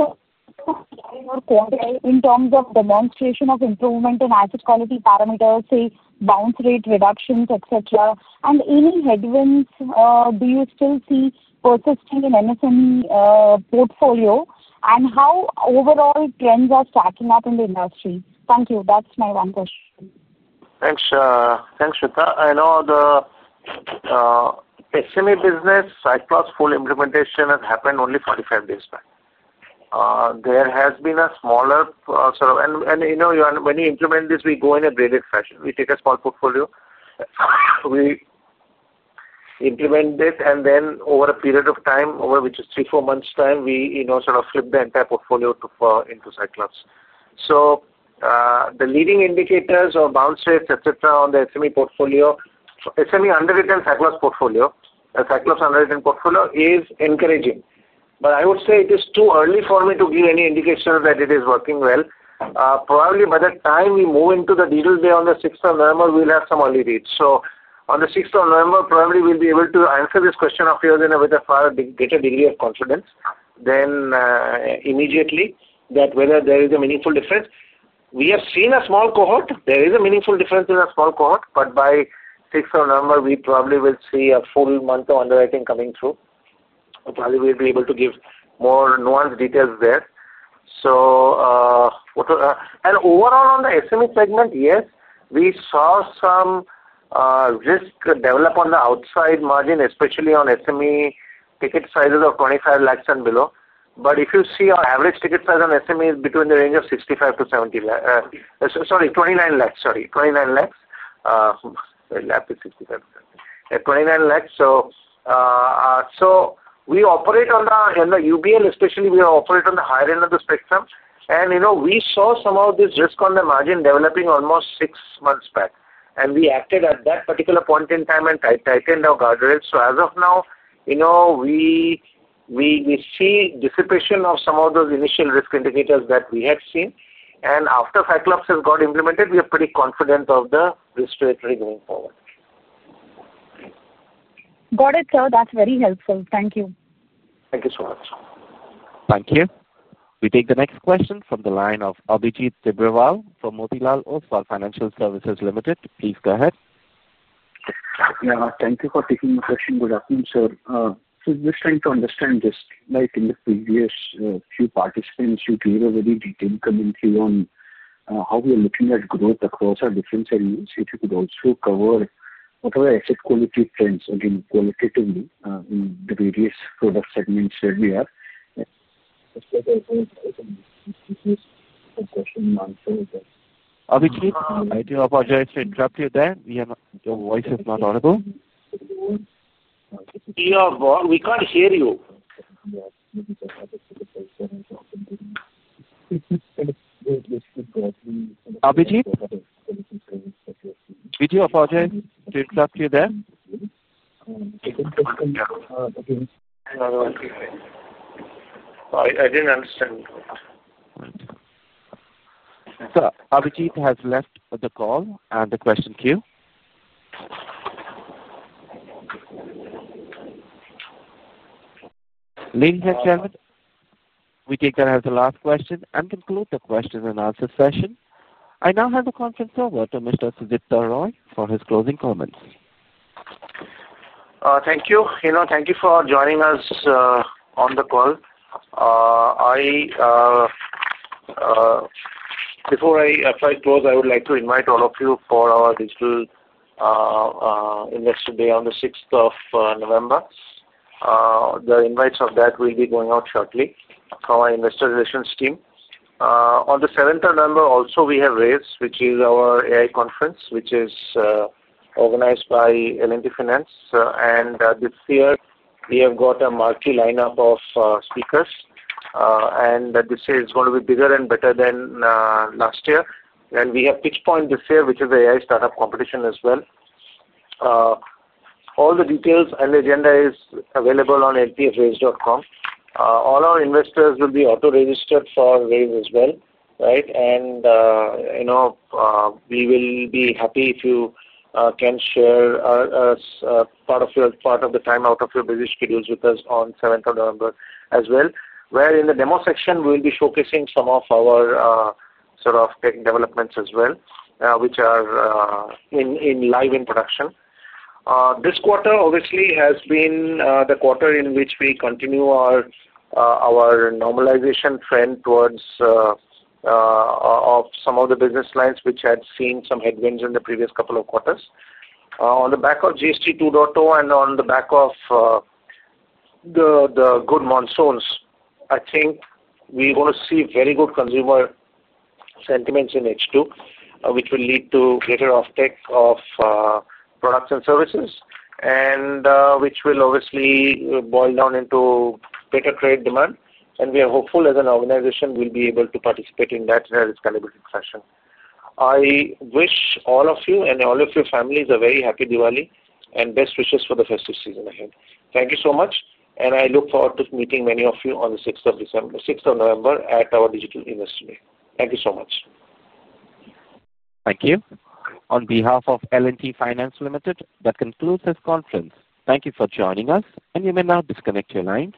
tell us in terms of demonstration of improvement in asset quality parameters, say, bounce rate reductions, etc., and any headwinds do you still see persisting in MSME portfolio? And how overall trends are stacking up in the industry? Thank you. That's my one question.
Thanks, Shweta. I know the SME business. Cyclops full implementation has happened only 45 days back. There has been a smaller sort of, and when we implement this, we go in a phased fashion. We take a small portfolio, we implement it, and then over a period of time, over which is three, four months' time, we sort of flip the entire portfolio into Cyclops. So, the leading indicators or bounce rates, etc., on the SME portfolio, SME underwritten Cyclops portfolio, Cyclops underwritten portfolio is encouraging. But I would say it is too early for me to give any indication that it is working well. Probably by the time we move into the digital day on the 6th of November, we'll have some early reads. So, on the 6th of November, probably we'll be able to answer this question of yours in a better degree of confidence than immediately, that whether there is a meaningful difference. We have seen a small cohort. There is a meaningful difference in a small cohort. But by 6th of November, we probably will see a full month of underwriting coming through. Probably we'll be able to give more nuanced details there. So, and overall on the SME segment, yes, we saw some risk develop on the outside margin, especially on SME ticket sizes of 25 lakhs and below. But if you see our average ticket size on SME is between the range of 65 to 70 lakhs, sorry, 29 lakhs, sorry. 29 lakhs. Let me lap this 65 lakhs. Yeah, 29 lakhs. So, we operate on the UBL, especially we operate on the higher end of the spectrum. And we saw some of this risk on the margin developing almost six months back. And we acted at that particular point in time and tightened our guardrails. So, as of now, we see dissipation of some of those initial risk indicators that we had seen. And after Cyclops has got implemented, we are pretty confident of the risk trajectory going forward.
Got it, sir. That's very helpful. Thank you.
Thank you so much.
Thank you. We take the next question from the line of Abhijit Tibrewal from Motilal Oswal Financial Services Limited. Please go ahead.
Yeah. Thank you for taking my question. Good afternoon, sir. So, just trying to understand just like in the previous few participants, you gave a very detailed commentary on how we are looking at growth across our different segments. If you could also cover what are the asset quality trends, again, qualitatively in the various product segments where we are.
Abhijit, I do apologize to interrupt you there. Your voice is not audible.
We can't hear you.
Abhijit, did you apologize to interrupt you there?
I didn't understand. Sir,
Abhijit has left the call and the question queue. Letting the gentleman, we take that as the last question and conclude the question-and-answer session. I now hand the conference over to Mr. Sudipta Roy for his closing comments.
Thank you. Thank you for joining us on the call. Before I close, I would like to invite all of you for our digital investor day on the 6th of November. The invites for that will be going out shortly from our investor relations team. On the 7th of November, also, we have RAISE, which is our AI conference, which is organized by L&T Finance. And this year, we have got a marquee lineup of speakers. And this year is going to be bigger and better than last year. And we have Pitch Point this year, which is the AI startup competition as well. All the details and the agenda is available on ltfraise.com. All our investors will be auto-registered for RAISE as well, right? And we will be happy if you can share part of the time out of your busy schedules with us on 7th of November as well, where in the demo section, we will be showcasing some of our sort of tech developments as well, which are in live production. This quarter, obviously, has been the quarter in which we continue our normalization trend towards some of the business lines which had seen some headwinds in the previous couple of quarters. On the back of GST 2.0 and on the back of the good monsoons, I think we are going to see very good consumer sentiments in H2, which will lead to greater uptake of products and services, and which will obviously boil down into better trade demand. And we are hopeful as an organization we'll be able to participate in that risk-calibrated fashion. I wish all of you and all of your families a very happy Diwali and best wishes for the festive season ahead. Thank you so much. And I look forward to meeting many of you on the 6th of November at our digital investor day. Thank you so much.
Thank you. On behalf of L&T Finance Limited, that concludes this conference. Thank you for joining us. And you may now disconnect your line.